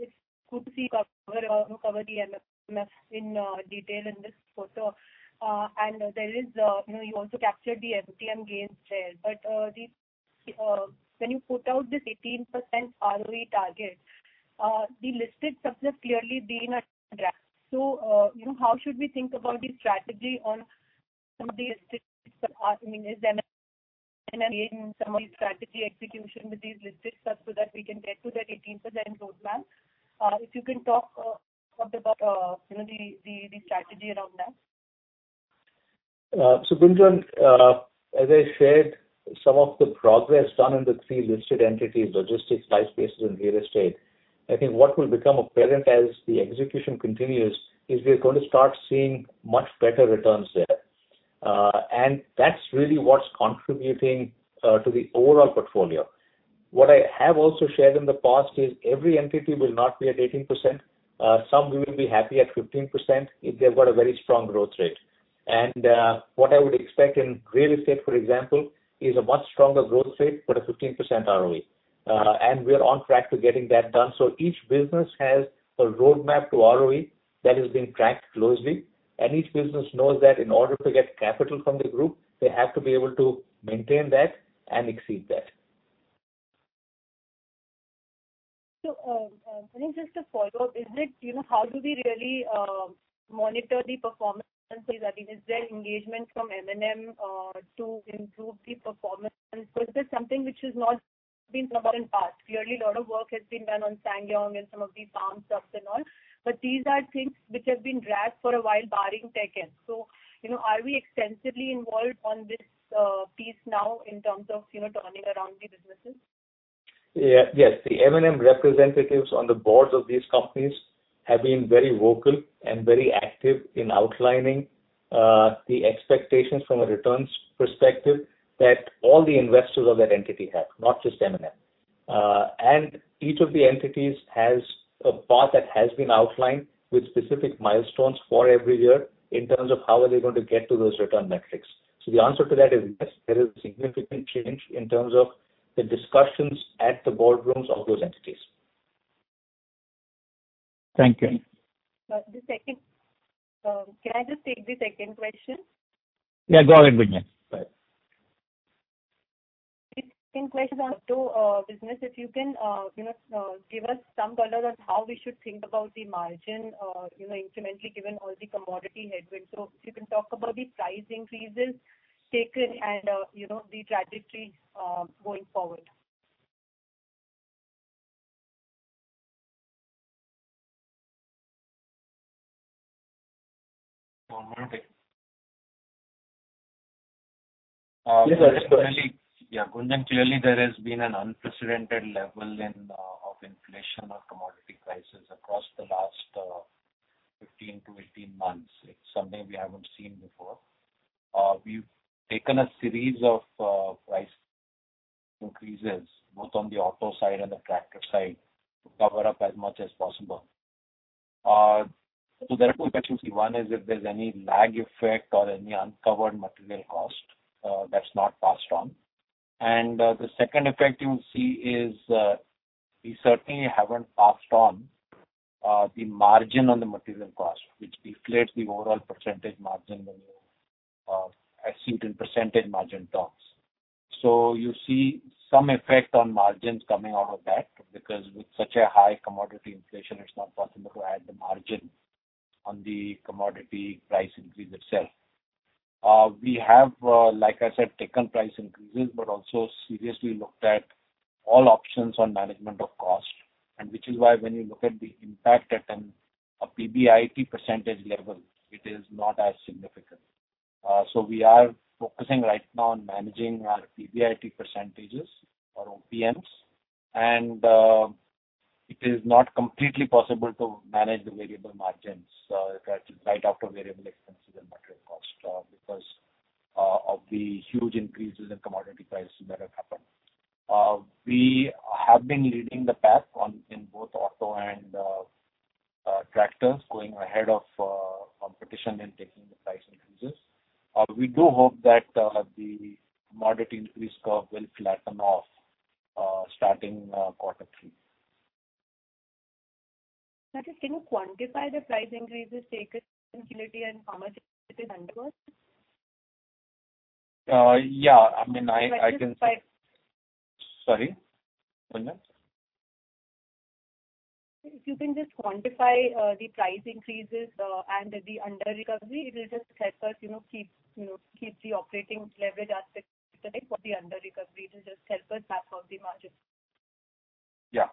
is good to see you cover the MMFS in detail in this quarter. You also captured the MTM gains there. When you put out this 18% ROE target, the listed subs have clearly been a drag. How should we think about the strategy on some of these listed subs? Is M&M engaging in some of the strategy execution with these listed subs so that we can get to that 18% roadmap? If you can talk about the strategy around that. Gunjan, as I shared, some of the progress done in the three listed entities, logistics, life spaces, and real estate, I think what will become apparent as the execution continues is we're going to start seeing much better returns there. That's really what's contributing to the overall portfolio. What I have also shared in the past is every entity will not be at 18%. Some we will be happy at 15% if they've got a very strong growth rate. What I would expect in real estate, for example, is a much stronger growth rate, but a 15% ROE. We're on track to getting that done. Each business has a roadmap to ROE that is being tracked closely, and each business knows that in order to get capital from the group, they have to be able to maintain that and exceed that. Anish, just a follow-up. How do we really monitor the performance? I mean, is there engagement from M&M to improve the performance? This is something which has not been seen in the past. Clearly, a lot of work has been done on SsangYong and some of these farm stuffs and all, but these are things which have been dragged for a while, barring Tech Mahindra. Are we extensively involved on this piece now in terms of turning around the businesses? Yes. The M&M representatives on the boards of these companies have been very vocal and very active in outlining the expectations from a returns perspective that all the investors of that entity have, not just M&M. Each of the entities has a path that has been outlined with specific milestones for every year in terms of how are they going to get to those return metrics. The answer to that is yes, there is a significant change in terms of the discussions at the boardrooms of those entities. Thank you. Can I just take the second question? Yeah, go ahead, Gunjan. Go ahead. The second question on auto business, if you can give us some color on how we should think about the margin, incrementally given all the commodity headwinds. If you can talk about the price increases taken and the trajectory going forward. Gunjan, clearly there has been an unprecedented level of inflation of commodity prices across the last 15-18 months. It's something we haven't seen before. We've taken a series of price increases, both on the auto side and the tractor side, to cover up as much as possible. There are two effects you see. One is if there's any lag effect or any uncovered material cost that's not passed on. The second effect you will see is we certainly haven't passed on the margin on the material cost, which deflates the overall percentage margin when you assume it in percentage margin terms. You see some effect on margins coming out of that, because with such a high commodity inflation, it's not possible to add the margin on the commodity price increase itself. We have, like I said, taken price increases, also seriously looked at all options on management of cost, which is why when you look at the impact at a PBIT percentage level, it is not as significant. We are focusing right now on managing our PBIT percentages, our OPMs, it is not completely possible to manage the variable margins right after variable expenses and material cost because of the huge increases in commodity prices that have happened. We have been leading the path in both auto and tractors, going ahead of competition and taking the price increases. We do hope that the commodity increase curve will flatten off starting quarter three. Rajesh, can you quantify the price increases taken in Q1 and how much it is under us? Yeah. I mean. If you can just- Sorry, Gunjan. If you can just quantify the price increases and the under recovery, it will just help us keep the operating leverage aspect for the under recovery. It will just help us map out the margins. Yeah.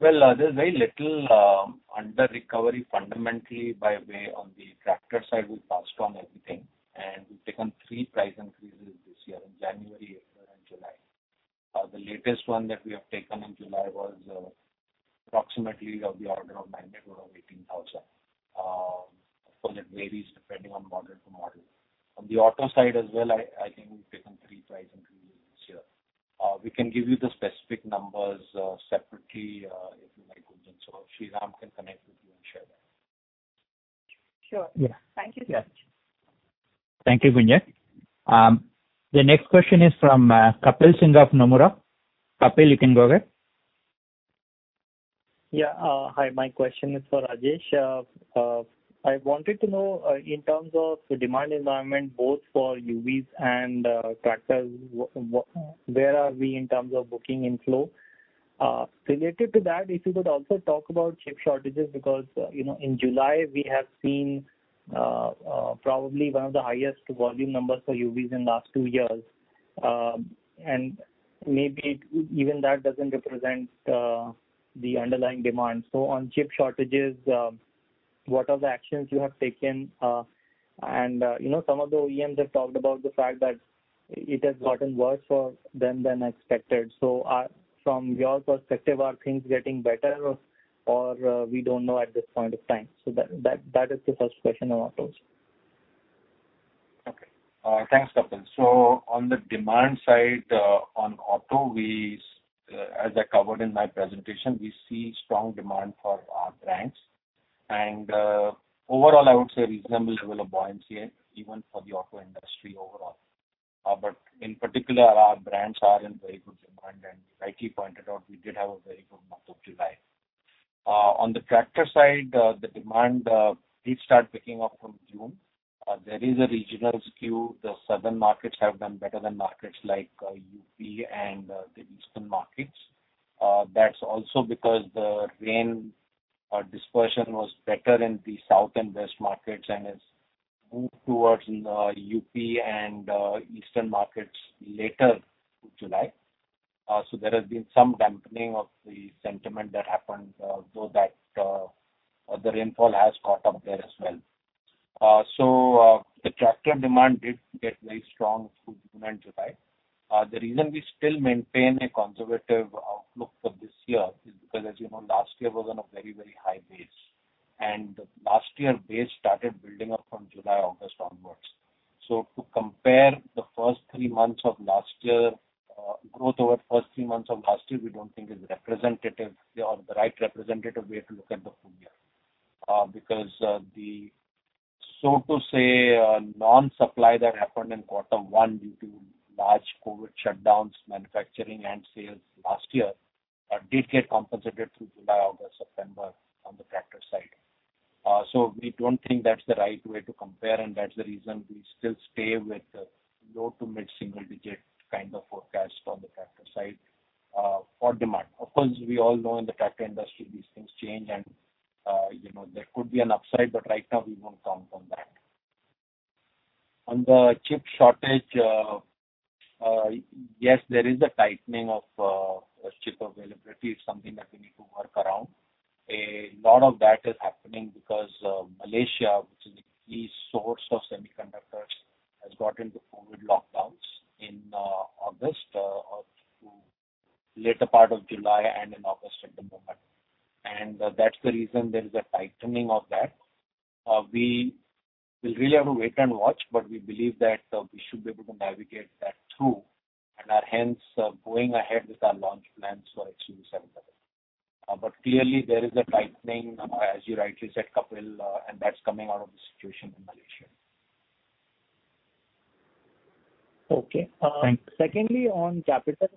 Well, there's very little under recovery fundamentally by way on the tractor side, we passed on everything, and we've taken three price increases this year in January, April, and July. The latest one that we have taken in July was approximately of the order of magnitude of 18,000. Of course, it varies depending on model to model. On the auto side as well, I think we've taken three price increases this year. We can give you the specific numbers separately, if you like, Gunjan. Sriram can connect with you and share that. Sure. Yeah. Thank you so much. Thank you, Gunjan. The next question is from Kapil Singh of Nomura. Kapil, you can go ahead. Yeah. Hi, my question is for Rajesh. I wanted to know in terms of the demand environment, both for UVs and tractors, where are we in terms of booking inflow? Related to that, if you could also talk about chip shortages, because in July, we have seen probably one of the highest volume numbers for UVs in the last two years. Maybe even that doesn't represent the underlying demand. On chip shortages, what are the actions you have taken? Some of the OEMs have talked about the fact that it has gotten worse for them than expected. From your perspective, are things getting better or we don't know at this point of time? That is the first question I wanted to ask. Okay. Thanks, Kapil. On the demand side, on auto, as I covered in my presentation, we see strong demand for our brands. Overall, I would say reasonable level of buoyancy even for the auto industry overall. In particular, our brands are in very good demand. Rightly pointed out, we did have a very good month of July. On the tractor side, the demand did start picking up from June. There is a regional skew. The southern markets have done better than markets like UP and the eastern markets. That's also because the rain dispersion was better in the south and west markets and has moved towards UP and eastern markets later in July. There has been some dampening of the sentiment that happened, though that the rainfall has caught up there as well. The tractor demand did get very strong through June and July. The reason we still maintain a conservative outlook for this year is because, as you know, last year was on a very, very high base. Last year base started building up from July, August onwards. To compare the first three months of last year, growth over first three months of last year, we don't think is representative or the right representative way to look at the full year. Because the, so to say, non-supply that happened in Q1 due to large COVID shutdowns, manufacturing and sales last year, did get compensated through July, August, September on the tractor side. We don't think that's the right way to compare, and that's the reason we still stay with low to mid-single-digit kind of forecast on the tractor side for demand. Of course, we all know in the tractor industry, these things change and there could be an upside, but right now we won't count on that. On the chip shortage, yes, there is a tightening of chip availability. It's something that we need to work around. A lot of that is happening because Malaysia, which is a key source of semiconductors, has got into COVID lockdowns in August of later part of July and in August at the moment. That's the reason there is a tightening of that. We'll really have to wait and watch, but we believe that we should be able to navigate that through, and are hence going ahead with our launch plans for XUV700. Clearly there is a tightening, as you rightly said, Kapil, and that's coming out of the situation in Malaysia. Okay. Thanks. Secondly, on capital.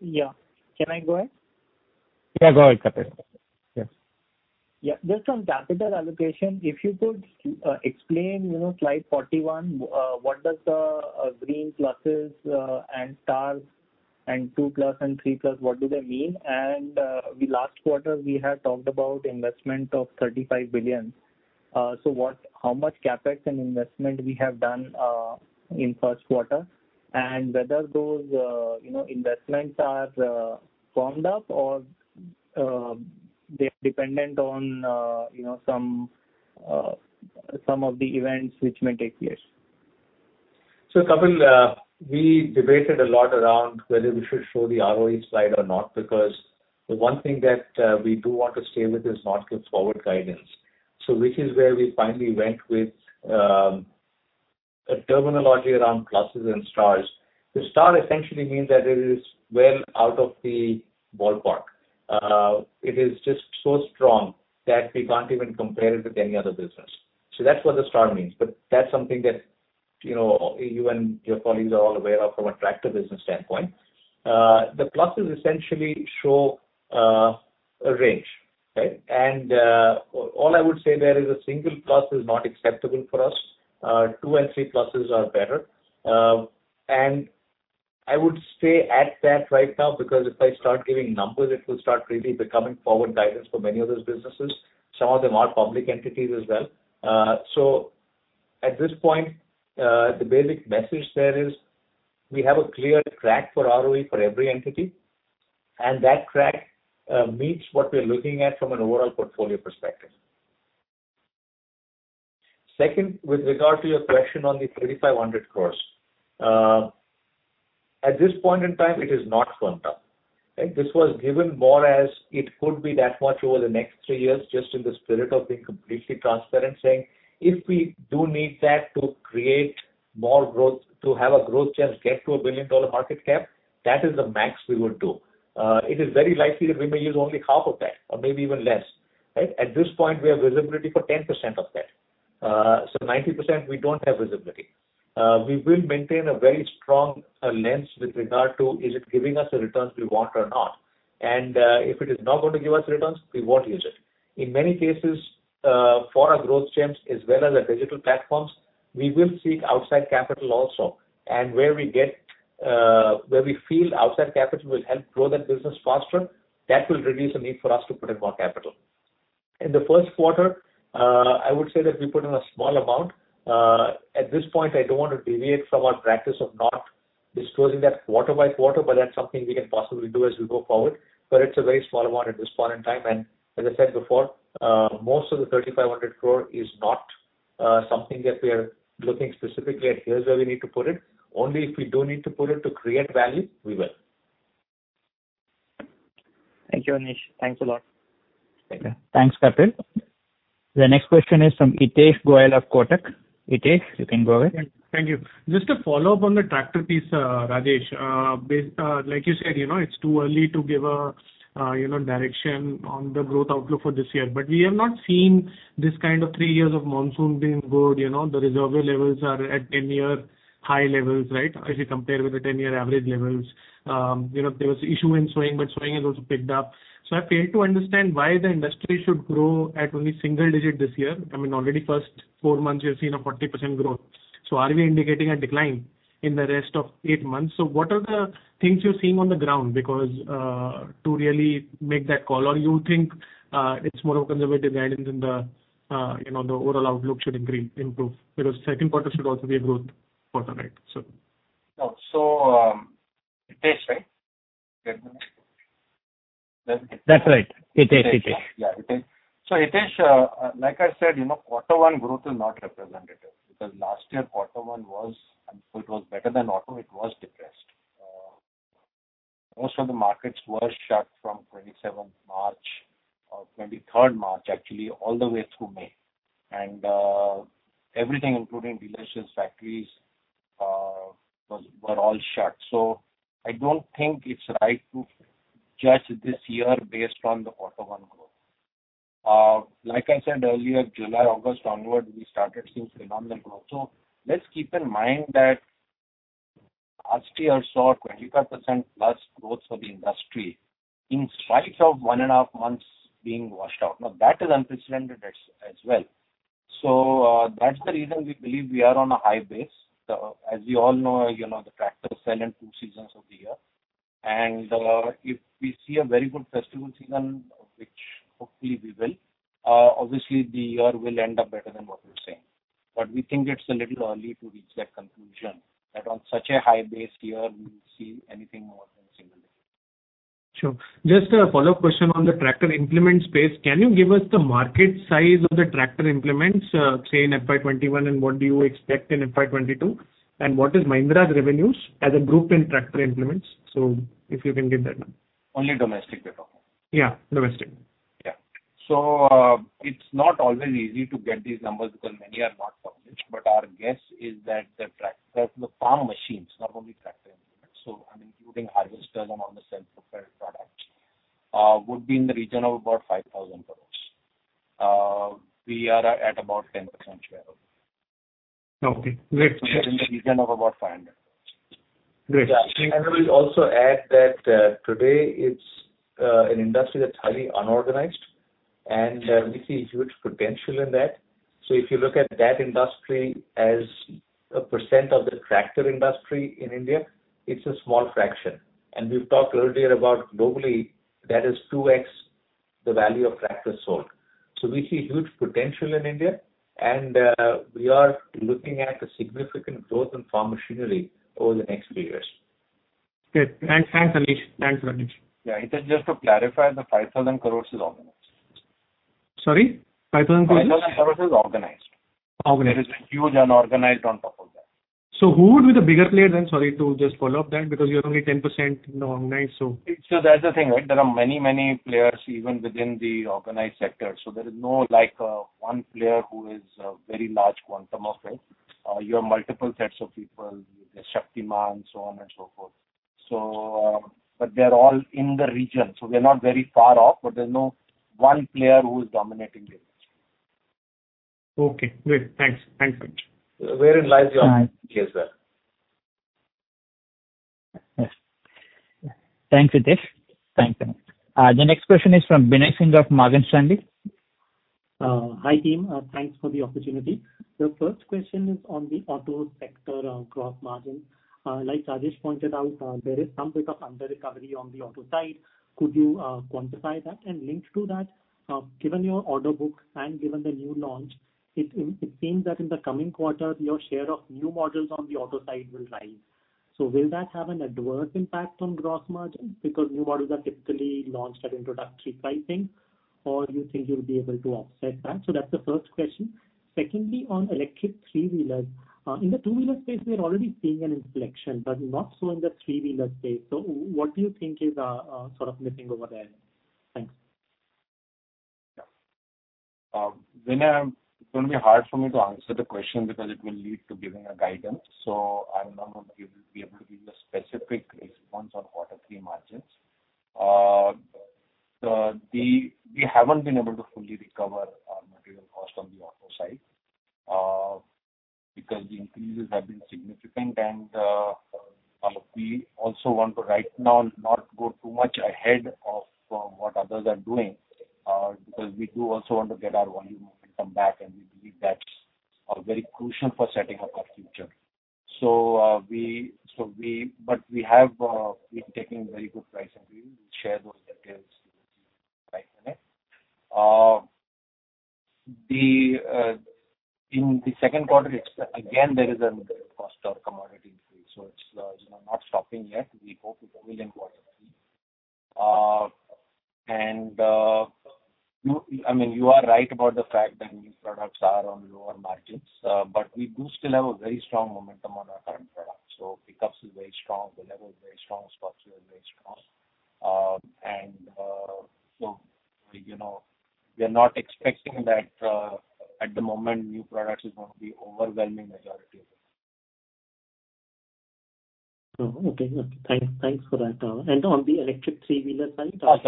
Yeah. Can I go ahead? Yeah, go ahead, Kapil. Yes. Yeah. Just on capital allocation, if you could explain slide 41, what does the green pluses and stars and two plus and three plus, what do they mean? The last quarter, we had talked about investment of 35 billion. How much CapEx and investment we have done in first quarter? Whether those investments are firmed up or they're dependent on some of the events which may take place. Kapil, we debated a lot around whether we should show the ROE slide or not because the one thing that we do want to stay with is not give forward guidance. Which is where we finally went with a terminology around pluses and stars. The star essentially means that it is well out of the ballpark. It is just so strong that we can't even compare it with any other business. That's what the star means. That's something that you and your colleagues are all aware of from a tractor business standpoint. The pluses essentially show a range, okay? All I would say there is a single plus is not acceptable for us. Two and three pluses are better. I would stay at that right now because if I start giving numbers, it will start really becoming forward guidance for many of those businesses. Some of them are public entities as well. At this point, the basic message there is we have a clear track for ROE for every entity, and that track meets what we are looking at from an overall portfolio perspective. Second, with regard to your question on the 3,500 crores. At this point in time, it is not gone down. This was given more as it could be that much over the next three years, just in the spirit of being completely transparent, saying, if we do need that to create more growth, to have a growth chance, get to a billion-dollar market cap, that is the max we would do. It is very likely that we may use only half of that or maybe even less. At this point, we have visibility for 10% of that. 90%, we don't have visibility. We will maintain a very strong lens with regard to is it giving us the returns we want or not. If it is not going to give us returns, we won't use it. In many cases, for our growth gems as well as our digital platforms, we will seek outside capital also. Where we feel outside capital will help grow that business faster, that will reduce the need for us to put in more capital. In the first quarter, I would say that we put in a small amount. At this point, I don't want to deviate from our practice of not disclosing that quarter by quarter, but that's something we can possibly do as we go forward. It's a very small amount at this point in time. As I said before, most of the 3,500 crore is not something that we are looking specifically at here is where we need to put it. Only if we do need to put it to create value, we will. Thank you, Anish. Thanks a lot. Okay. Thanks, Kapil. The next question is from Hitesh Goel of Kotak. Hitesh, you can go ahead. Thank you. Just to follow up on the tractor piece, Rajesh. Like you said, it's too early to give a direction on the growth outlook for this year, but we have not seen this kind of three years of monsoon being good. The reservoir levels are at 10-year high levels, as you compare with the 10-year average levels. There was issue in sowing, but sowing has also picked up. I fail to understand why the industry should grow at only single digit this year. I mean, already first four months, you have seen a 40% growth. Are we indicating a decline in the rest of eight months? What are the things you're seeing on the ground because to really make that call, or you think it's more of conservative guidance in the overall outlook should improve because second quarter should also be a growth quarter. Hitesh, right? That's right. Hitesh. Yeah, Hitesh. Hitesh, like I said, quarter one growth is not representative because last year quarter one was, it was better than auto, it was depressed. Most of the markets were shut from 27 March or 23 March, actually, all the way through May. Everything, including dealerships, factories were all shut. I don't think it's right to judge this year based on the quarter one growth. Like I said earlier, July, August onwards, we started seeing phenomenal growth. Let's keep in mind that last year saw 25% plus growth for the industry in spite of one and a half months being washed out. That is unprecedented as well. That's the reason we believe we are on a high base. As you all know, the tractors sell in two seasons of the year. If we see a very good festival season, which hopefully we will, obviously the year will end up better than what you're saying. We think it's a little early to reach that conclusion that on such a high base year, we will see anything more than single digit. Sure. Just a follow-up question on the tractor implement space. Can you give us the market size of the tractor implements, say, in FY 2021, and what do you expect in FY 2022? What is Mahindra's revenues as a group in tractor implements? If you can give that number. Only domestic we talk of. Yeah, domestic. It's not always easy to get these numbers because many are not published, but our guess is that the farm machines, not only tractor implements, so I'm including harvesters among the self-propelled products, would be in the region of about 5,000 crore. We are at about 10% share. Okay, great. That's in the region of about INR 500 crores. Great. I will also add that today it's an industry that's highly unorganized, and we see huge potential in that. If you look at that industry as a percent of the tractor industry in India, it's a small fraction. We've talked earlier about globally, that is 2x the value of tractors sold. We see huge potential in India, and we are looking at a significant growth in farm machinery over the next few years. Great. Thanks, Anish. Yeah. Hitesh, just to clarify, the 5,000 crores is organized. Sorry, 5,000 crores is? 5,000 crores is organized. Organized. There is a huge unorganized on top of that. Who would be the bigger players then? Sorry to just follow up then, because you are only 10% in organized. That's the thing. There are many players even within the organized sector. There is no one player who is a very large quantum of it. You have multiple sets of people, the Shaktiman and so on and so forth. They are all in the region, so they're not very far off, but there's no one player who is dominating this. Okay, great. Thanks. Wherein lies the opportunity as well. Thanks, Hitesh. The next question is from Binay Singh of Morgan Stanley. Hi, team. Thanks for the opportunity. The first question is on the auto sector gross margin. Like Rajesh pointed out, there is some pick up under recovery on the auto side. Could you quantify that? Linked to that, given your order book and given the new launch, it seems that in the coming quarter, your share of new models on the auto side will rise. Will that have an adverse impact on gross margin because new models are typically launched at introductory pricing, or you think you'll be able to offset that? That's the first question. Secondly, on electric three-wheelers. In the two-wheeler space, we are already seeing an inflection, but not so in the three-wheeler space. What do you think is missing over there? Thanks. Binay, it's going to be hard for me to answer the question because it will lead to giving a guidance. I'm not going to be able to give you a specific response on auto three margins. We haven't been able to fully recover our material cost on the auto side because the increases have been significant, and we also want to right now not go too much ahead of what others are doing because we do also want to get our volume movement come back, and we believe that's very crucial for setting up our future. We have been taking very good price increases. We'll share those details with you right away. In the 2nd quarter, again, there is a cost of commodity increase, so it's not stopping yet. We hope it will in quarter three. You are right about the fact that new products are on lower margins, we do still have a very strong momentum on our current products. Pickups is very strong, Bolero is very strong, Scorpio is very strong. We are not expecting that at the moment new products is going to be overwhelming majority of it. Okay. Thanks for that. On the electric three-wheeler side- Oh,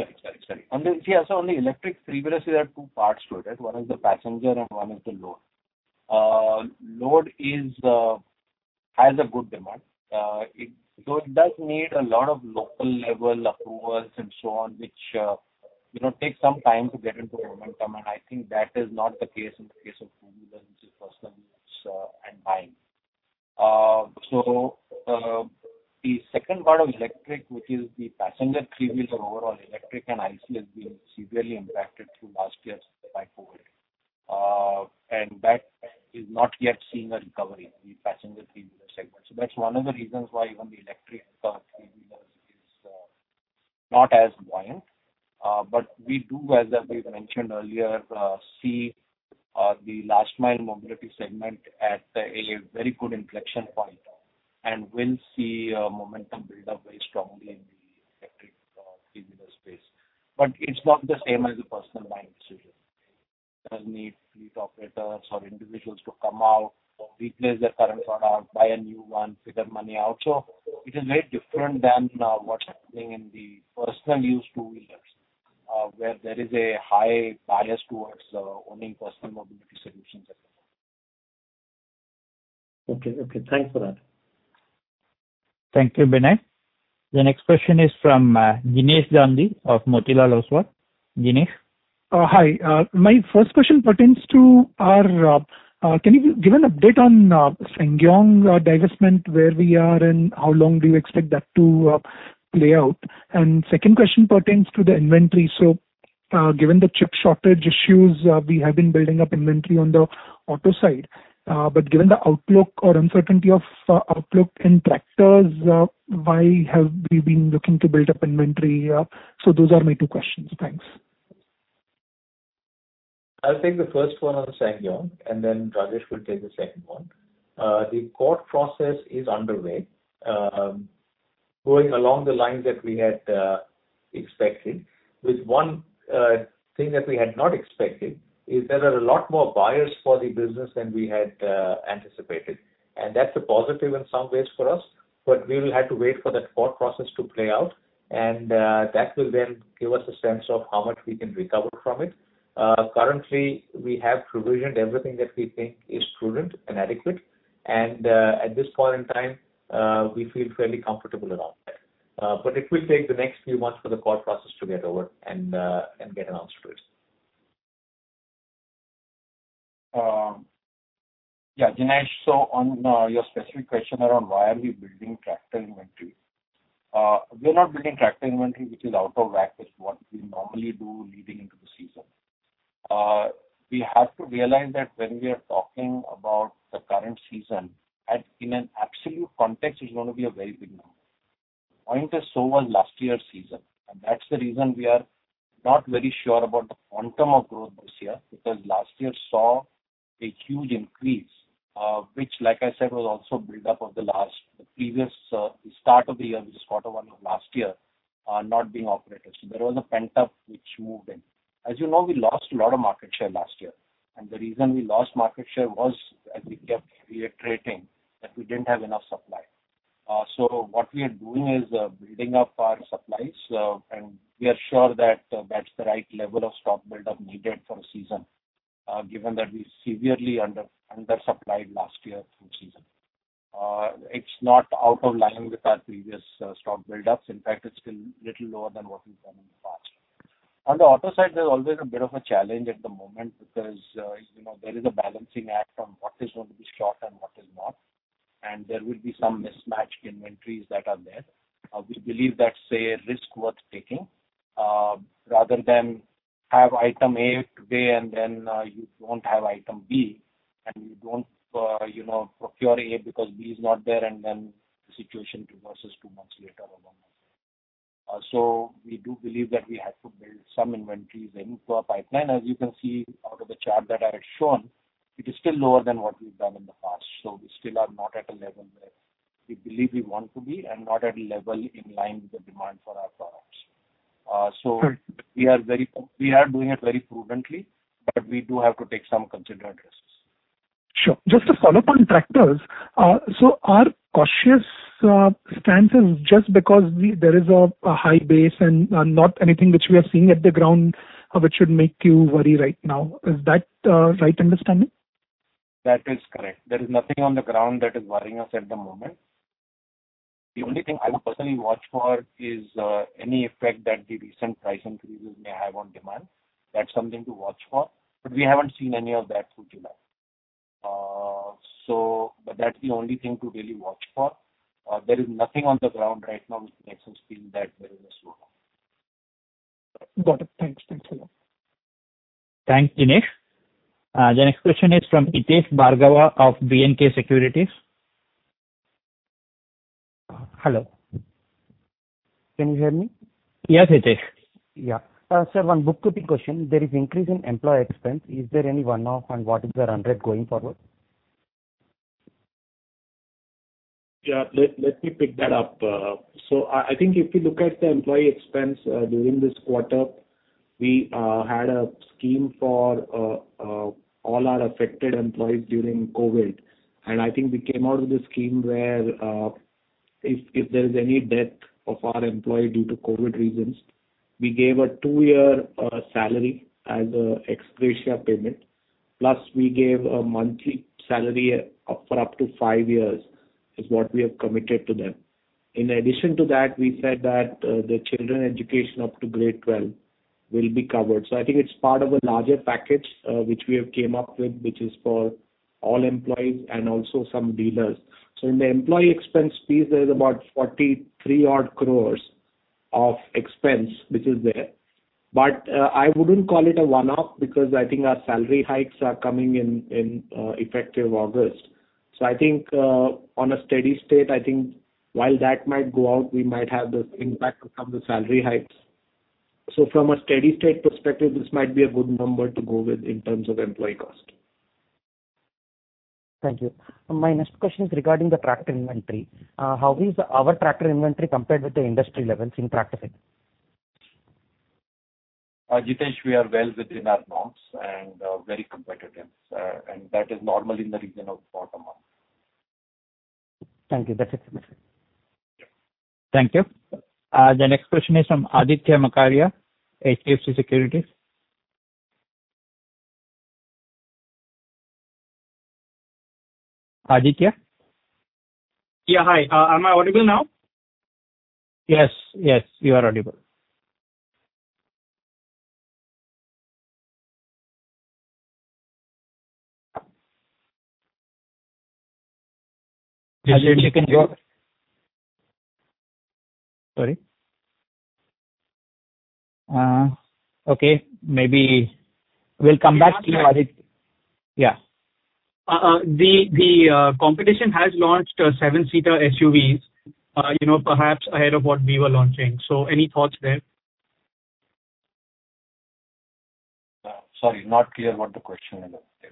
sorry. On the electric three-wheelers, there are two parts to it. One is the passenger and one is the load. Load has a good demand. It does need a lot of local level approvals and so on, which takes some time to get into momentum, I think that is not the case in the case of two-wheelers, which is personal use and buying. The second part of electric, which is the passenger three-wheeler overall, electric and ICE has been severely impacted through last year by COVID. That is not yet seeing a recovery in the passenger three-wheeler segment. That's one of the reasons why even the electric three-wheeler is not as buoyant. We do, as we mentioned earlier, see the last mile mobility segment at a very good inflection point and will see momentum build up very strongly in the electric three-wheeler space. It's not the same as the personal buying decision. It does need fleet operators or individuals to come out, replace their current product, buy a new one, figure money out. It is very different than what's happening in the personal use two-wheelers, where there is a high bias towards owning personal mobility solutions at the moment. Okay. Thanks for that. Thank you, Binay. The next question is from Jinesh Gandhi of Motilal Oswal. Jinesh. Hi. My first question pertains to, can you give an update on SsangYong divestment, where we are and how long do you expect that to play out? Second question pertains to the inventory. Given the chip shortage issues, we have been building up inventory on the auto side. Given the outlook or uncertainty of outlook in tractors, why have we been looking to build up inventory? Those are my two questions. Thanks. I'll take the first one on SsangYong, then Rajesh will take the second one. The court process is underway. Going along the lines that we had expected, with one thing that we had not expected is there are a lot more buyers for the business than we had anticipated. That's a positive in some ways for us, but we will have to wait for that court process to play out, and that will then give us a sense of how much we can recover from it. Currently, we have provisioned everything that we think is prudent and adequate. At this point in time, we feel fairly comfortable around there. It will take the next few months for the court process to get over and get an answer to it. Yeah, Jinesh, on your specific question around why are we building tractor inventory. We're not building tractor inventory which is out of whack with what we normally do leading into the season. We have to realize that when we are talking about the current season, in an absolute context, it's going to be a very big number. Point is, so was last year's season. That's the reason we are not very sure about the quantum of growth this year, because last year saw a huge increase, which like I said, was also build up of the start of the year, which is quarter one of last year, not being operated. There was a pent-up which moved in. As you know, we lost a lot of market share last year, and the reason we lost market share was, as we kept reiterating, that we didn't have enough supply. What we are doing is building up our supplies, and we are sure that that's the right level of stock build-up needed for a season, given that we severely under-supplied last year through season. It's not out of line with our previous stock build-ups. In fact, it's still little lower than what we've done in the past. On the auto side, there's always a bit of a challenge at the moment because there is a balancing act on what is going to be short and what is not, and there will be some mismatched inventories that are there. We believe that's a risk worth taking. Have item A today and then you don't have item B, and you don't procure A because B is not there, and then the situation reverses two months later or one month later. We do believe that we have to build some inventories in for our pipeline. As you can see out of the chart that I have shown, it is still lower than what we've done in the past. We still are not at a level where we believe we want to be and not at a level in line with the demand for our products. Sure. We are doing it very prudently, but we do have to take some considered risks. Sure. Just a follow-up on tractors. Our cautious stance is just because there is a high base and not anything which we are seeing at the ground, which should make you worry right now. Is that the right understanding? That is correct. There is nothing on the ground that is worrying us at the moment. The only thing I would personally watch for is any effect that the recent price increases may have on demand. That's something to watch for. We haven't seen any of that through July. That's the only thing to really watch for. There is nothing on the ground right now which makes us feel that there is a slowdown. Got it. Thanks a lot. Thanks, Jinesh. The next question is from Hitesh Bhargava of BNK Securities. Hello. Can you hear me? Yes, Hitesh. Yeah. Sir, one book-keeping question. There is increase in employee expense. Is there any one-off, and what is the run rate going forward? Let me pick that up. I think if you look at the employee expense during this quarter, we had a scheme for all our affected employees during COVID, and I think we came out with a scheme where if there is any death of our employee due to COVID reasons, we gave a two-year salary as an ex gratia payment. We gave a monthly salary for up to five years, is what we have committed to them. In addition to that, we said that the children education up to grade 12 will be covered. I think it's part of a larger package which we have came up with, which is for all employees and also some dealers. In the employee expense piece, there is about 43 odd crores of expense which is there. I wouldn't call it a one-off because I think our salary hikes are coming in effective August. I think on a steady state, I think while that might go out, we might have the impact from the salary hikes. From a steady state perspective, this might be a good number to go with in terms of employee cost. Thank you. My next question is regarding the tractor inventory. How is our tractor inventory compared with the industry levels in tractor segment? Hitesh, we are well within our norms and very competitive, and that is normal in the region of four to month. Thank you. That's it. Thank you. The next question is from Aditya Makharia, HDFC Securities. Aditya? Yeah, hi. Am I audible now? Yes. You are audible. Aditya, you can go Sorry. Okay, maybe we'll come back to you, Aditya. Yeah. The competition has launched seven-seater SUVs, perhaps ahead of what we were launching. Any thoughts there? Sorry, not clear what the question is.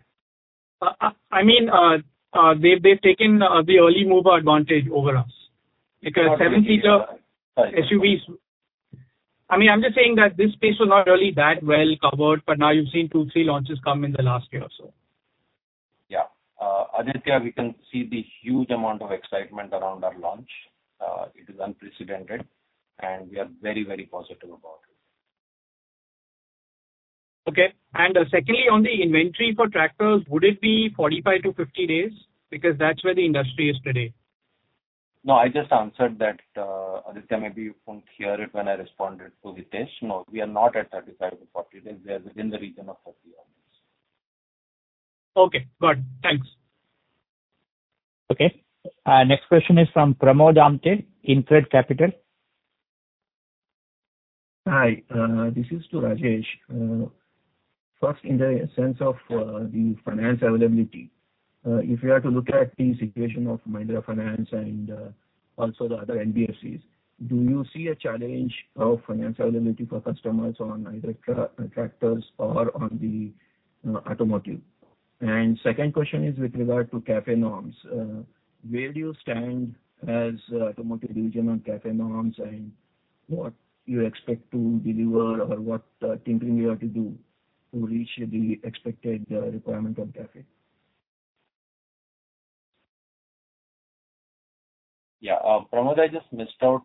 I mean, they've taken the early mover advantage over us. Sorry. SUVs. I'm just saying that this space was not really that well covered, but now you've seen two, three launches come in the last year or so. Yeah. Aditya, we can see the huge amount of excitement around our launch. It is unprecedented. We are very positive about it. Okay. Secondly, on the inventory for tractors, would it be 45-50 days, because that's where the industry is today? No, I just answered that. Aditya, maybe you won't hear it when I responded to Hitesh. No, we are not at 35-40 days. We are within the region of 40 odd days. Okay, got it. Thanks. Okay. Next question is from Pramod Amthe, InCred Capital. Hi. This is to Rajesh. First, in the sense of the finance availability, if you have to look at the situation of Mahindra Finance and also the other NBFCs, do you see a challenge of finance availability for customers on either tractors or on the automotive? Second question is with regard to CAFE norms. Where do you stand as automotive division on CAFE norms, and what you expect to deliver, or what tinkering you have to do to reach the expected requirement on CAFE? Yeah. Pramod, I just missed out,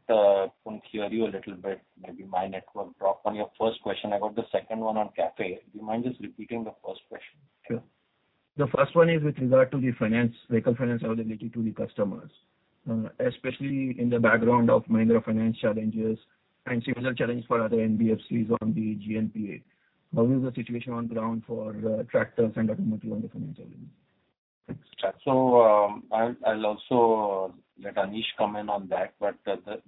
couldn't hear you a little bit. Maybe my network dropped on your first question. I got the second one on CAFE. Do you mind just repeating the first question? Sure. The first one is with regard to the vehicle finance availability to the customers, especially in the background of Mahindra Finance challenges and similar challenge for other NBFCs on the GNPA. How is the situation on ground for tractors and automotive on the finance availability? I'll also let Anish comment on that.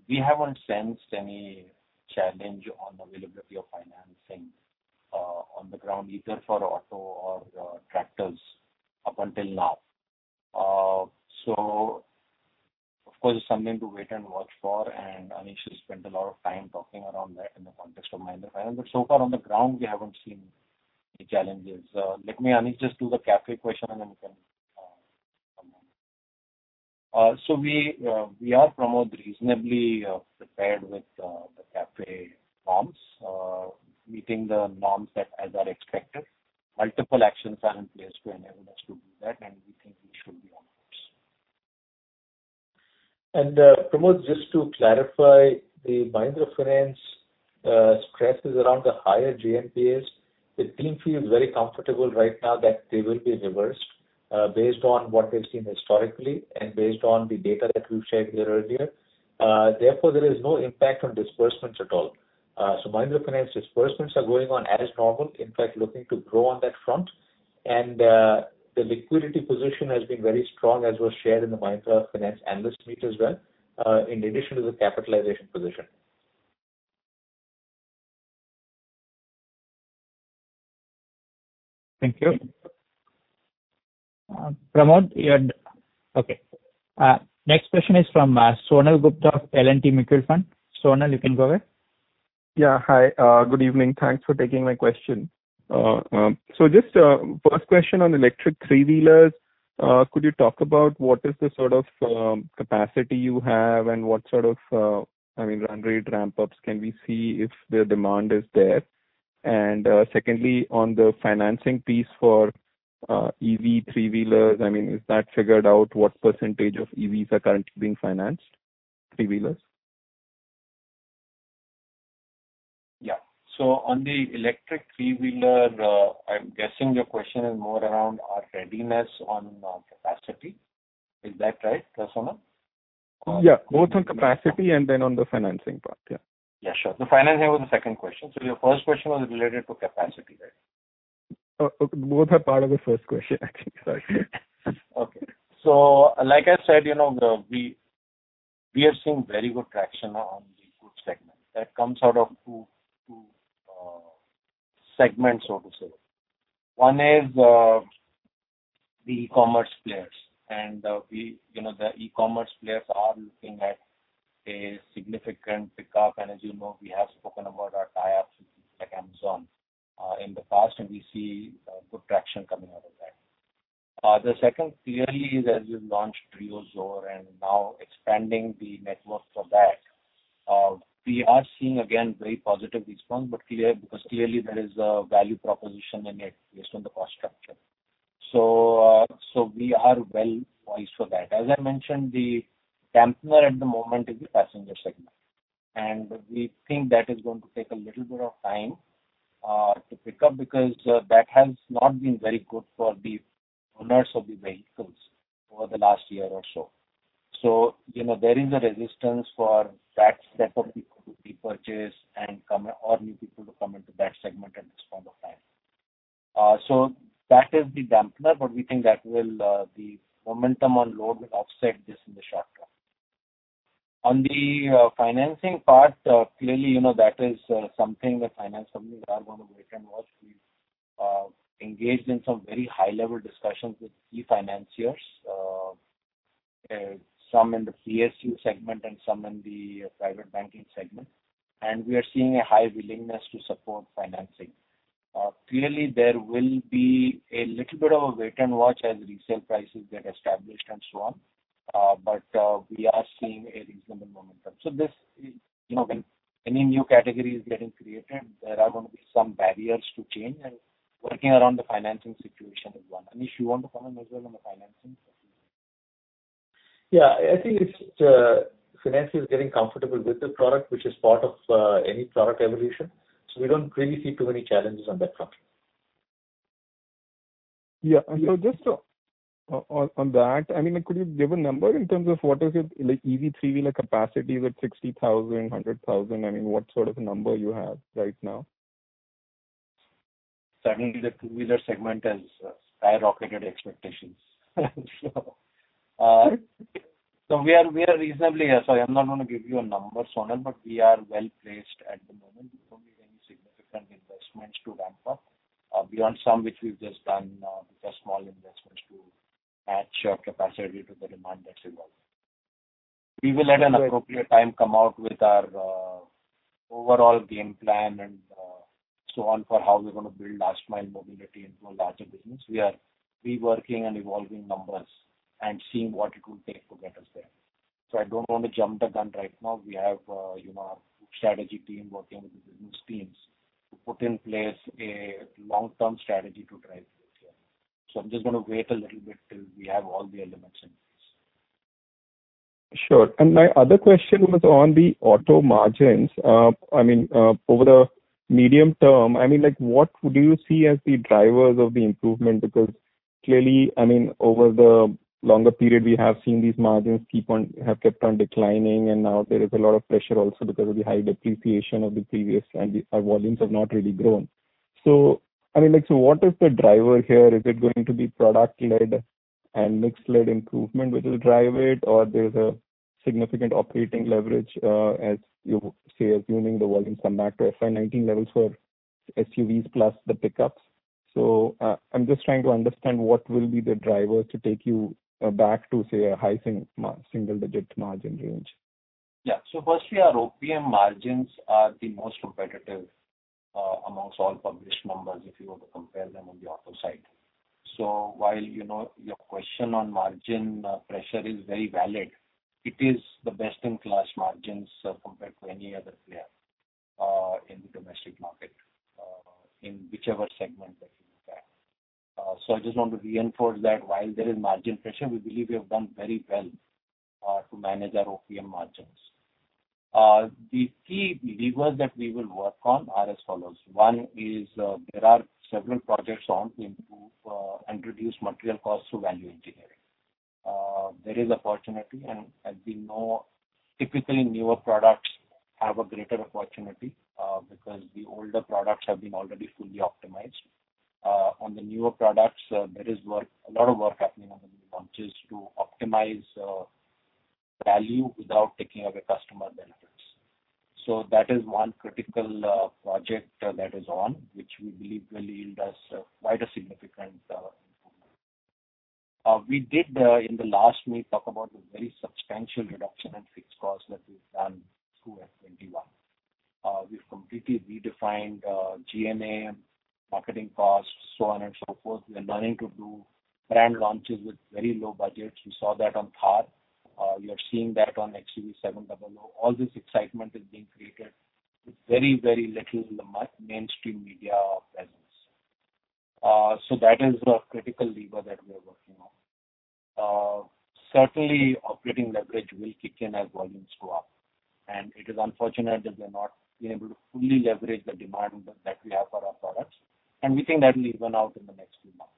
We haven't sensed any challenge on availability of financing on the ground, either for auto or tractors up until now. Of course, it's something to wait and watch for, and Anish has spent a lot of time talking around that in the context of Mahindra Finance. So far on the ground, we haven't seen any challenges. Let me, Anish, just do the CAFE question, and then you can come in. We are, Pramod, reasonably prepared with the CAFE norms, meeting the norms that are expected. Multiple actions are in place to enable us to do that, and we think we should be on course. Pramod, just to clarify, the Mahindra Finance stress is around the higher GNPA. The team feels very comfortable right now that they will be reversed based on what they've seen historically and based on the data that we've shared here earlier. Therefore, there is no impact on disbursements at all. Mahindra Finance disbursements are going on as normal, in fact, looking to grow on that front. The liquidity position has been very strong, as was shared in the Mahindra Finance analyst meet as well, in addition to the capitalization position. Thank you. Pramod. Okay. Next question is from Sonal Gupta of L&T Mutual Fund. Sonal, you can go ahead. Yeah. Hi, good evening. Thanks for taking my question. Just a first question on electric three-wheelers. Could you talk about what is the sort of capacity you have and what sort of run rate ramp-ups can we see if the demand is there? Secondly, on the financing piece for EV three-wheelers, is that figured out? What % of EVs are currently being financed, three-wheelers? Yeah. On the electric three-wheeler, I'm guessing your question is more around our readiness on capacity. Is that right, Sonal? Yeah, both on capacity and then on the financing part. Yeah. Yeah, sure. The financing was the second question. Your first question was related to capacity, right? Both are part of the first question, actually. Sorry. Okay. Like I said, we are seeing very good traction on the goods segment that comes out of two segments, so to say. One is the e-commerce players. The e-commerce players are looking at a significant pickup. As you know, we have spoken about our tie-ups with people like Amazon in the past, and we see good traction coming out of that. The second clearly is as we've launched Treo Zor and now expanding the network for that. We are seeing, again, very positive response, because clearly there is a value proposition in it based on the cost structure. We are well poised for that. As I mentioned, the dampener at the moment is the passenger segment. We think that is going to take a little bit of time to pick up, because that has not been very good for the owners of the vehicles over the last year or so. There is a resistance for that set of people to repurchase or new people to come into that segment at this point of time. That is the dampener, but we think that the momentum on load will offset this in the short term. On the financing part, clearly, that is something the finance companies are going to wait and watch. We've engaged in some very high-level discussions with key financiers, some in the PSU segment and some in the private banking segment, and we are seeing a high willingness to support financing. Clearly, there will be a little bit of a wait-and-watch as resale prices get established and so on. We are seeing a reasonable momentum. When any new category is getting created, there are going to be some barriers to change, and working around the financing situation is one. Anish, you want to comment as well on the financing? Yeah, I think it's financiers getting comfortable with the product, which is part of any product evolution. We don't really see too many challenges on that front. Yeah. Just on that, could you give a number in terms of what is it, like EV three-wheeler capacity, is it 60,000, 100,000? What sort of a number you have right now? Certainly, the three-wheeler segment has skyrocketed expectations. We are reasonably here. I'm not going to give you a number, Sonal, but we are well-placed at the moment. We don't need any significant investments to ramp up beyond some which we've just done, which are small investments to match capacity to the demand that's evolved. We will at an appropriate time come out with our overall game plan and so on for how we're going to build last mile mobility into a larger business. We are reworking and evolving numbers and seeing what it would take to get us there. I don't want to jump the gun right now. We have our group strategy team working with the business teams to put in place a long-term strategy to drive this. I'm just going to wait a little bit till we have all the elements in place. Sure. My other question was on the auto margins. Over the medium term, what do you see as the drivers of the improvement? Because clearly, over the longer period, we have seen these margins have kept on declining, and now there is a lot of pressure also because of the high depreciation of the previous, and our volumes have not really grown. What is the driver here? Is it going to be product-led and mix-led improvement, which will drive it, or there's a significant operating leverage, as you say, assuming the volumes come back to FY 2019 levels for SUVs plus the pickups. I'm just trying to understand what will be the driver to take you back to, say, a high single-digit margin range. Yeah. Firstly, our OPM margins are the most competitive amongst all published numbers, if you were to compare them on the auto side. While your question on margin pressure is very valid, it is the best-in-class margins compared to any other player in the domestic market in whichever segment that you look at. I just want to reinforce that while there is margin pressure, we believe we have done very well to manage our OPM margins. The key levers that we will work on are as follows. One is there are several projects on to improve and reduce material costs through value engineering. There is opportunity, and as we know, typically newer products have a greater opportunity because the older products have been already fully optimized. On the newer products, there is a lot of work happening on the new launches to optimize value without taking away customer benefits. That is one critical project that is on, which we believe will yield us quite a significant improvement. We did, in the last meet, talk about the very substantial reduction in fixed costs that we've done through FY 2021. We've completely redefined SG&A, marketing costs, so on and so forth. We are learning to do brand launches with very low budgets. We saw that on Thar. We are seeing that on XUV700. All this excitement is being created with very, very little mainstream media presence. That is a critical lever that we are working on. Certainly, operating leverage will kick in as volumes go up. It is unfortunate that we have not been able to fully leverage the demand that we have for our products, and we think that will even out in the next few months.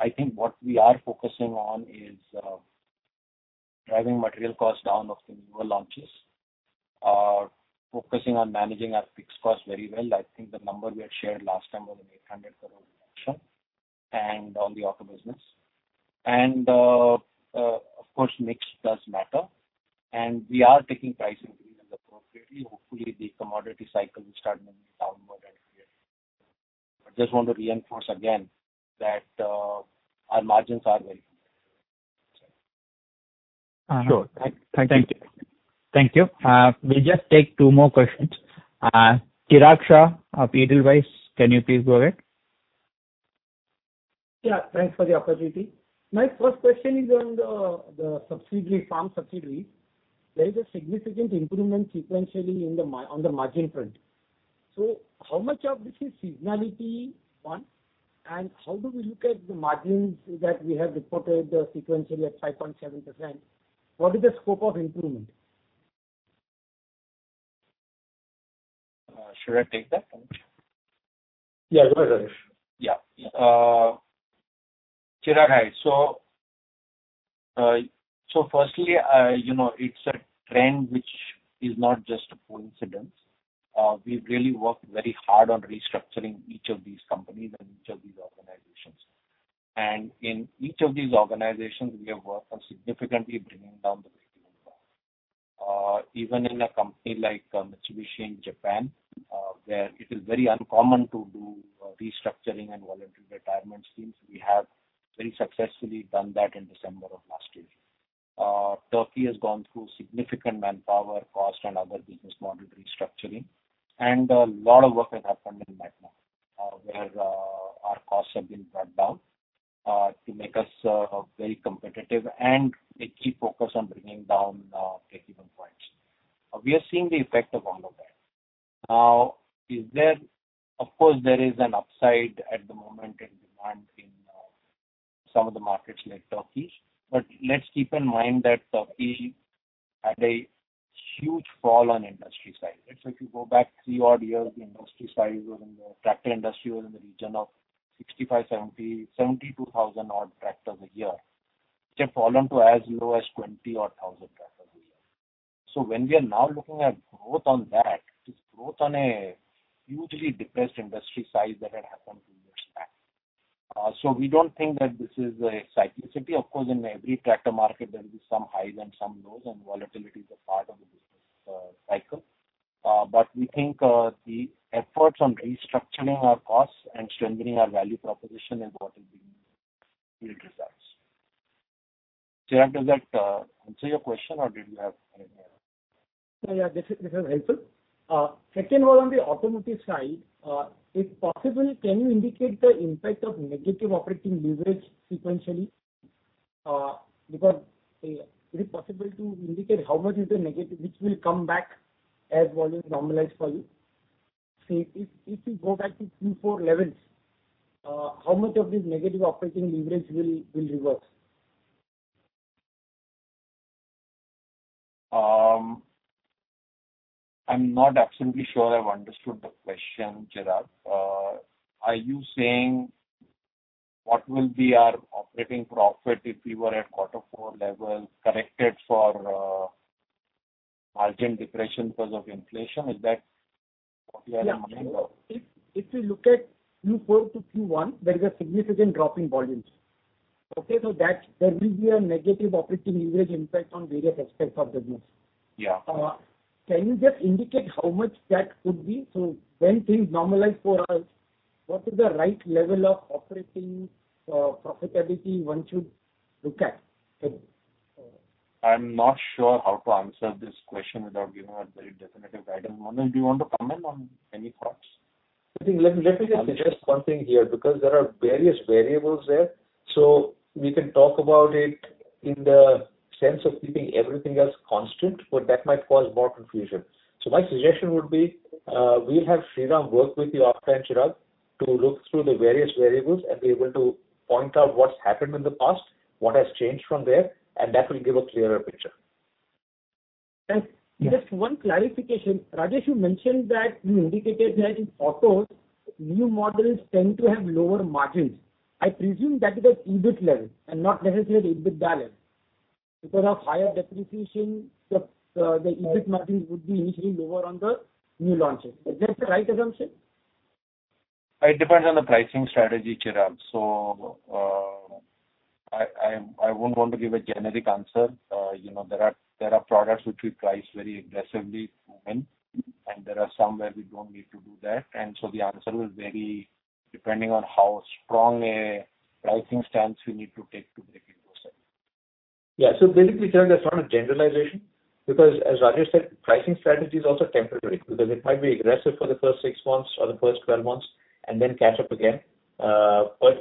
I think what we are focusing on is driving material cost down of the newer launches, focusing on managing our fixed costs very well. I think the number we had shared last time was an 800 crore reduction and on the auto business. Of course, mix does matter, and we are taking price increases appropriately. Hopefully, the commodity cycle will start moving downward at some point. I just want to reinforce again that our margins are very good. Sure. Thank you. Thank you. We'll just take two more questions. Chirag Shah of Edelweiss, can you please go ahead? Yeah, thanks for the opportunity. My first question is on the farm subsidies. There is a significant improvement sequentially on the margin front. How much of this is seasonality, one, and how do we look at the margins that we have reported sequentially at 5.7%? What is the scope of improvement? Should I take that, Amit? Yeah, go ahead. Yeah. Chirag, hi. Firstly, it's a trend which is not just a coincidence. We've really worked very hard on restructuring each of these companies and each of these organizations. In each of these organizations, we have worked on significantly bringing down the breakeven point. Even in a company like Mitsubishi in Japan, where it is very uncommon to do restructuring and voluntary retirement schemes, we have very successfully done that in December of last year. Turkey has gone through significant manpower cost and other business model restructuring. A lot of work has happened in MAgNA, where our costs have been brought down to make us very competitive and a key focus on bringing down breakeven points. We are seeing the effect of all of that. Of course, there is an upside at the moment in demand in some of the markets like Turkey. Let's keep in mind that Turkey had a huge fall on industry size. If you go back three odd years, the tractor industry was in the region of 65,000, 70,000, 72,000 odd tractors a year, which have fallen to as low as 20-odd thousand tractors a year. When we are now looking at growth on that, it is growth on a hugely depressed industry size that had happened two years back. We don't think that this is a cyclicity. Of course, in every tractor market, there will be some highs and some lows, and volatility is a part of the business cycle. We think the efforts on restructuring our costs and strengthening our value proposition is what is giving good results. Chirag, does that answer your question, or did you have anything else? Yeah, this is helpful. Second one on the automotive side, if possible, can you indicate the impact of negative operating leverage sequentially? Is it possible to indicate how much is the negative, which will come back as volumes normalize for you? Say, if you go back to Q4 levels, how much of this negative operating leverage will reverse? I'm not absolutely sure I've understood the question, Chirag. Are you saying what will be our operating profit if we were at quarter four levels corrected for margin depression because of inflation, is that what you have in mind? Yeah. If you look at Q4 to Q1, there is a significant drop in volumes. Okay, there will be a negative operating leverage impact on various aspects of the business. Yeah. Can you just indicate how much that could be? When things normalize for us, what is the right level of operating profitability one should look at? I'm not sure how to answer this question without giving a very definitive guidance. Manoj Bhat, do you want to comment on any thoughts? I think, let me just suggest one thing here, because there are various variables there. We can talk about it in the sense of keeping everything else constant, but that might cause more confusion. My suggestion would be, we'll have Sriram work with you after, Chirag, to look through the various variables and be able to point out what's happened in the past, what has changed from there, and that will give a clearer picture. Just 1 clarification. Rajesh, you mentioned that you indicated that in autos, new models tend to have lower margins. I presume that is at EBIT level and not necessarily EBITDA. Because of higher depreciation, the EBIT margin would be initially lower on the new launches. Is that the right assumption? It depends on the pricing strategy, Chirag. I wouldn't want to give a generic answer. There are products which we price very aggressively to win, and there are some where we don't need to do that. The answer will vary depending on how strong a pricing stance we need to take to break into a segment. Basically, Chirag, that's not a generalization because, as Rajesh said, pricing strategy is also temporary because it might be aggressive for the first six months or the first 12 months and then catch up again.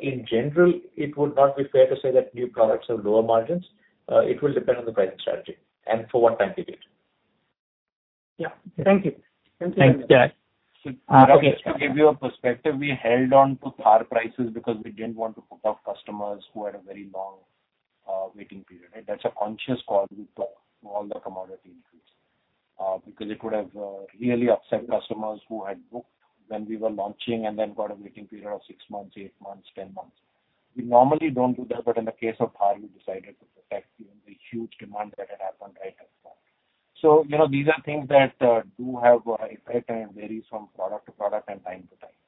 In general, it would not be fair to say that new products have lower margins. It will depend on the pricing strategy and for what time period. Yeah. Thank you. Thanks, Chirag. Okay. Just to give you a perspective, we held on to Thar prices because we didn't want to put off customers who had a very long waiting period. That's a conscious call we took through all the commodity increase, because it would have really upset customers who had booked when we were launching and then got a waiting period of six months, eight months, 10 months. We normally don't do that, but in the case of Thar, we decided to protect the huge demand that had happened right at the start. These are things that do have an effect and varies from product to product and time to time.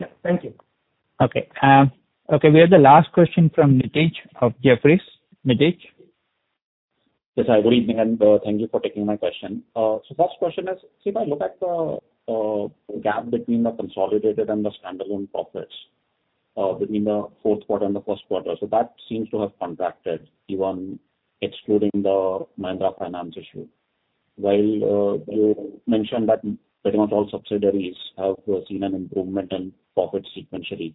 Yeah. Thank you. Okay. We have the last question from Nitish of Jefferies. Nitish? Yes, hi, good evening, thank you for taking my question. First question is, if I look at the gap between the consolidated and the standalone profits between the fourth quarter and the 1st quarter. That seems to have contracted even excluding the Mahindra Finance issue. While you mentioned that pretty much all subsidiaries have seen an improvement in profit sequentially.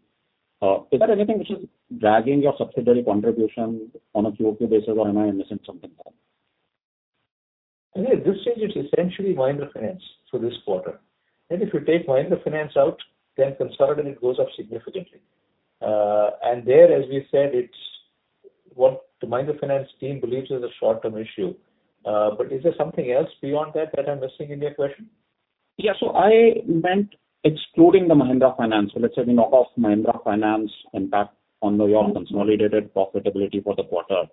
Is there anything which is dragging your subsidiary contribution on a QOQ basis, or am I missing something there? I think at this stage it's essentially Mahindra Finance for this quarter. If you take Mahindra Finance out, consolidated goes up significantly. There, as we said, it's what the Mahindra Finance team believes is a short-term issue. Is there something else beyond that that I'm missing in your question? I meant excluding the Mahindra Finance. Let's say we knock off Mahindra Finance impact on the whole consolidated profitability for the quarter.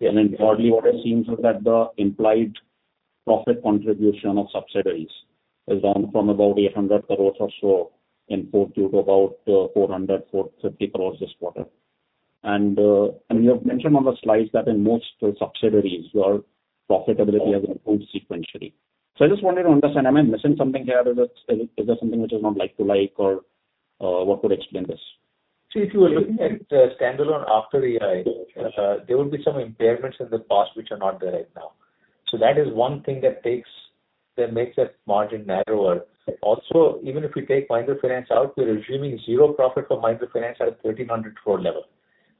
Broadly what it seems is that the implied profit contribution of subsidiaries has gone from about 800 crores or so in Q4 to about 400-450 crores this quarter. You have mentioned on the slides that in most subsidiaries your profitability has improved sequentially. I just wanted to understand, am I missing something here? Is there something which is not like to like, or what could explain this? If you are looking at standalone after EI, there will be some impairments in the past which are not there right now. That is one thing that makes that margin narrower. Even if we take Mahindra Finance out, we're assuming zero profit for Mahindra Finance at 1,300 crore level.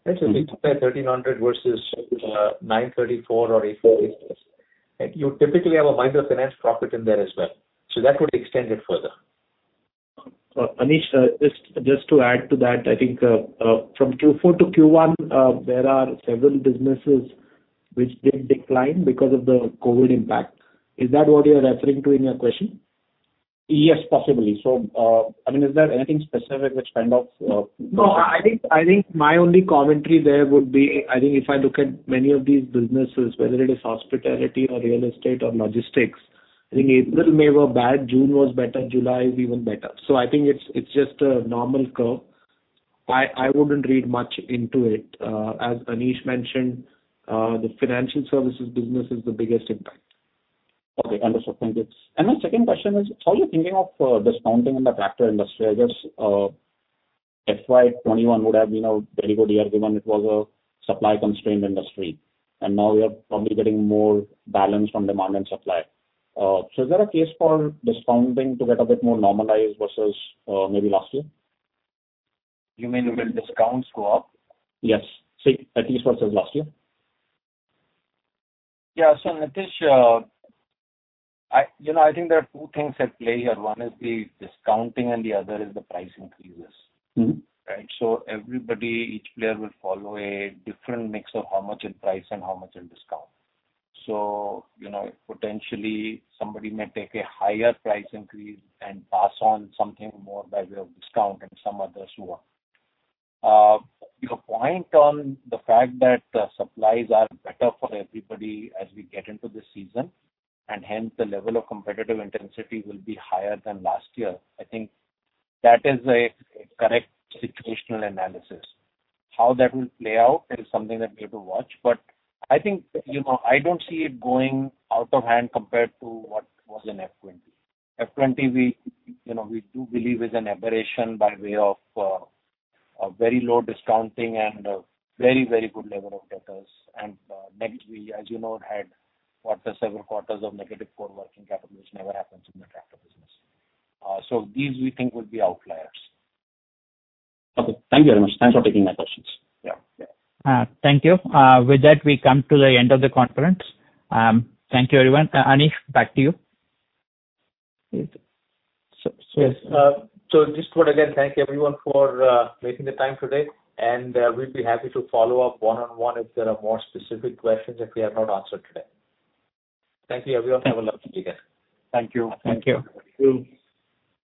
We compare 1,300 versus 934 or 848. You typically have a Mahindra Finance profit in there as well, that would extend it further. Anish, just to add to that, I think from Q4 to Q1, there are several businesses which did decline because of the COVID impact. Is that what you're referring to in your question? Yes, possibly. Is there anything specific? I think my only commentary there would be, I think if I look at many of these businesses, whether it is hospitality or real estate or logistics, I think April, May were bad, June was better, July is even better. I think it's just a normal curve. I wouldn't read much into it. As Anish mentioned, the financial services business is the biggest impact. Okay, understood. Thank you. My second question is, how are you thinking of discounting in the tractor industry? I guess FY 2021 would have been a very good year given it was a supply-constrained industry, and now we are probably getting more balance from demand and supply. Is there a case for discounting to get a bit more normalized versus maybe last year? You mean will discounts go up? Yes. Say, at least versus last year. Yeah. Nitish, I think there are two things at play here. One is the discounting and the other is the price increases. Everybody, each player will follow a different mix of how much in price and how much in discount. Potentially somebody may take a higher price increase and pass on something more by way of discount and some others who are Your point on the fact that supplies are better for everybody as we get into this season, and hence the level of competitive intensity will be higher than last year, I think that is a correct situational analysis. How that will play out is something that we have to watch. I think, I don't see it going out of hand compared to what was in FY 2020. FY 2020, we do believe is an aberration by way of very low discounting and a very good level of debtors. As you know, it had several quarters of negative core working capital, which never happens in the tractor business. These we think would be outliers. Okay. Thank you very much. Thanks for taking my questions. Yeah. Thank you. With that, we come to the end of the conference. Thank you everyone. Anish, back to you. I just want to again thank everyone for making the time today, and we'll be happy to follow up one-on-one if there are more specific questions that we have not answered today. Thank you everyone. Have a lovely day. Thank you. Thank you. Thank you.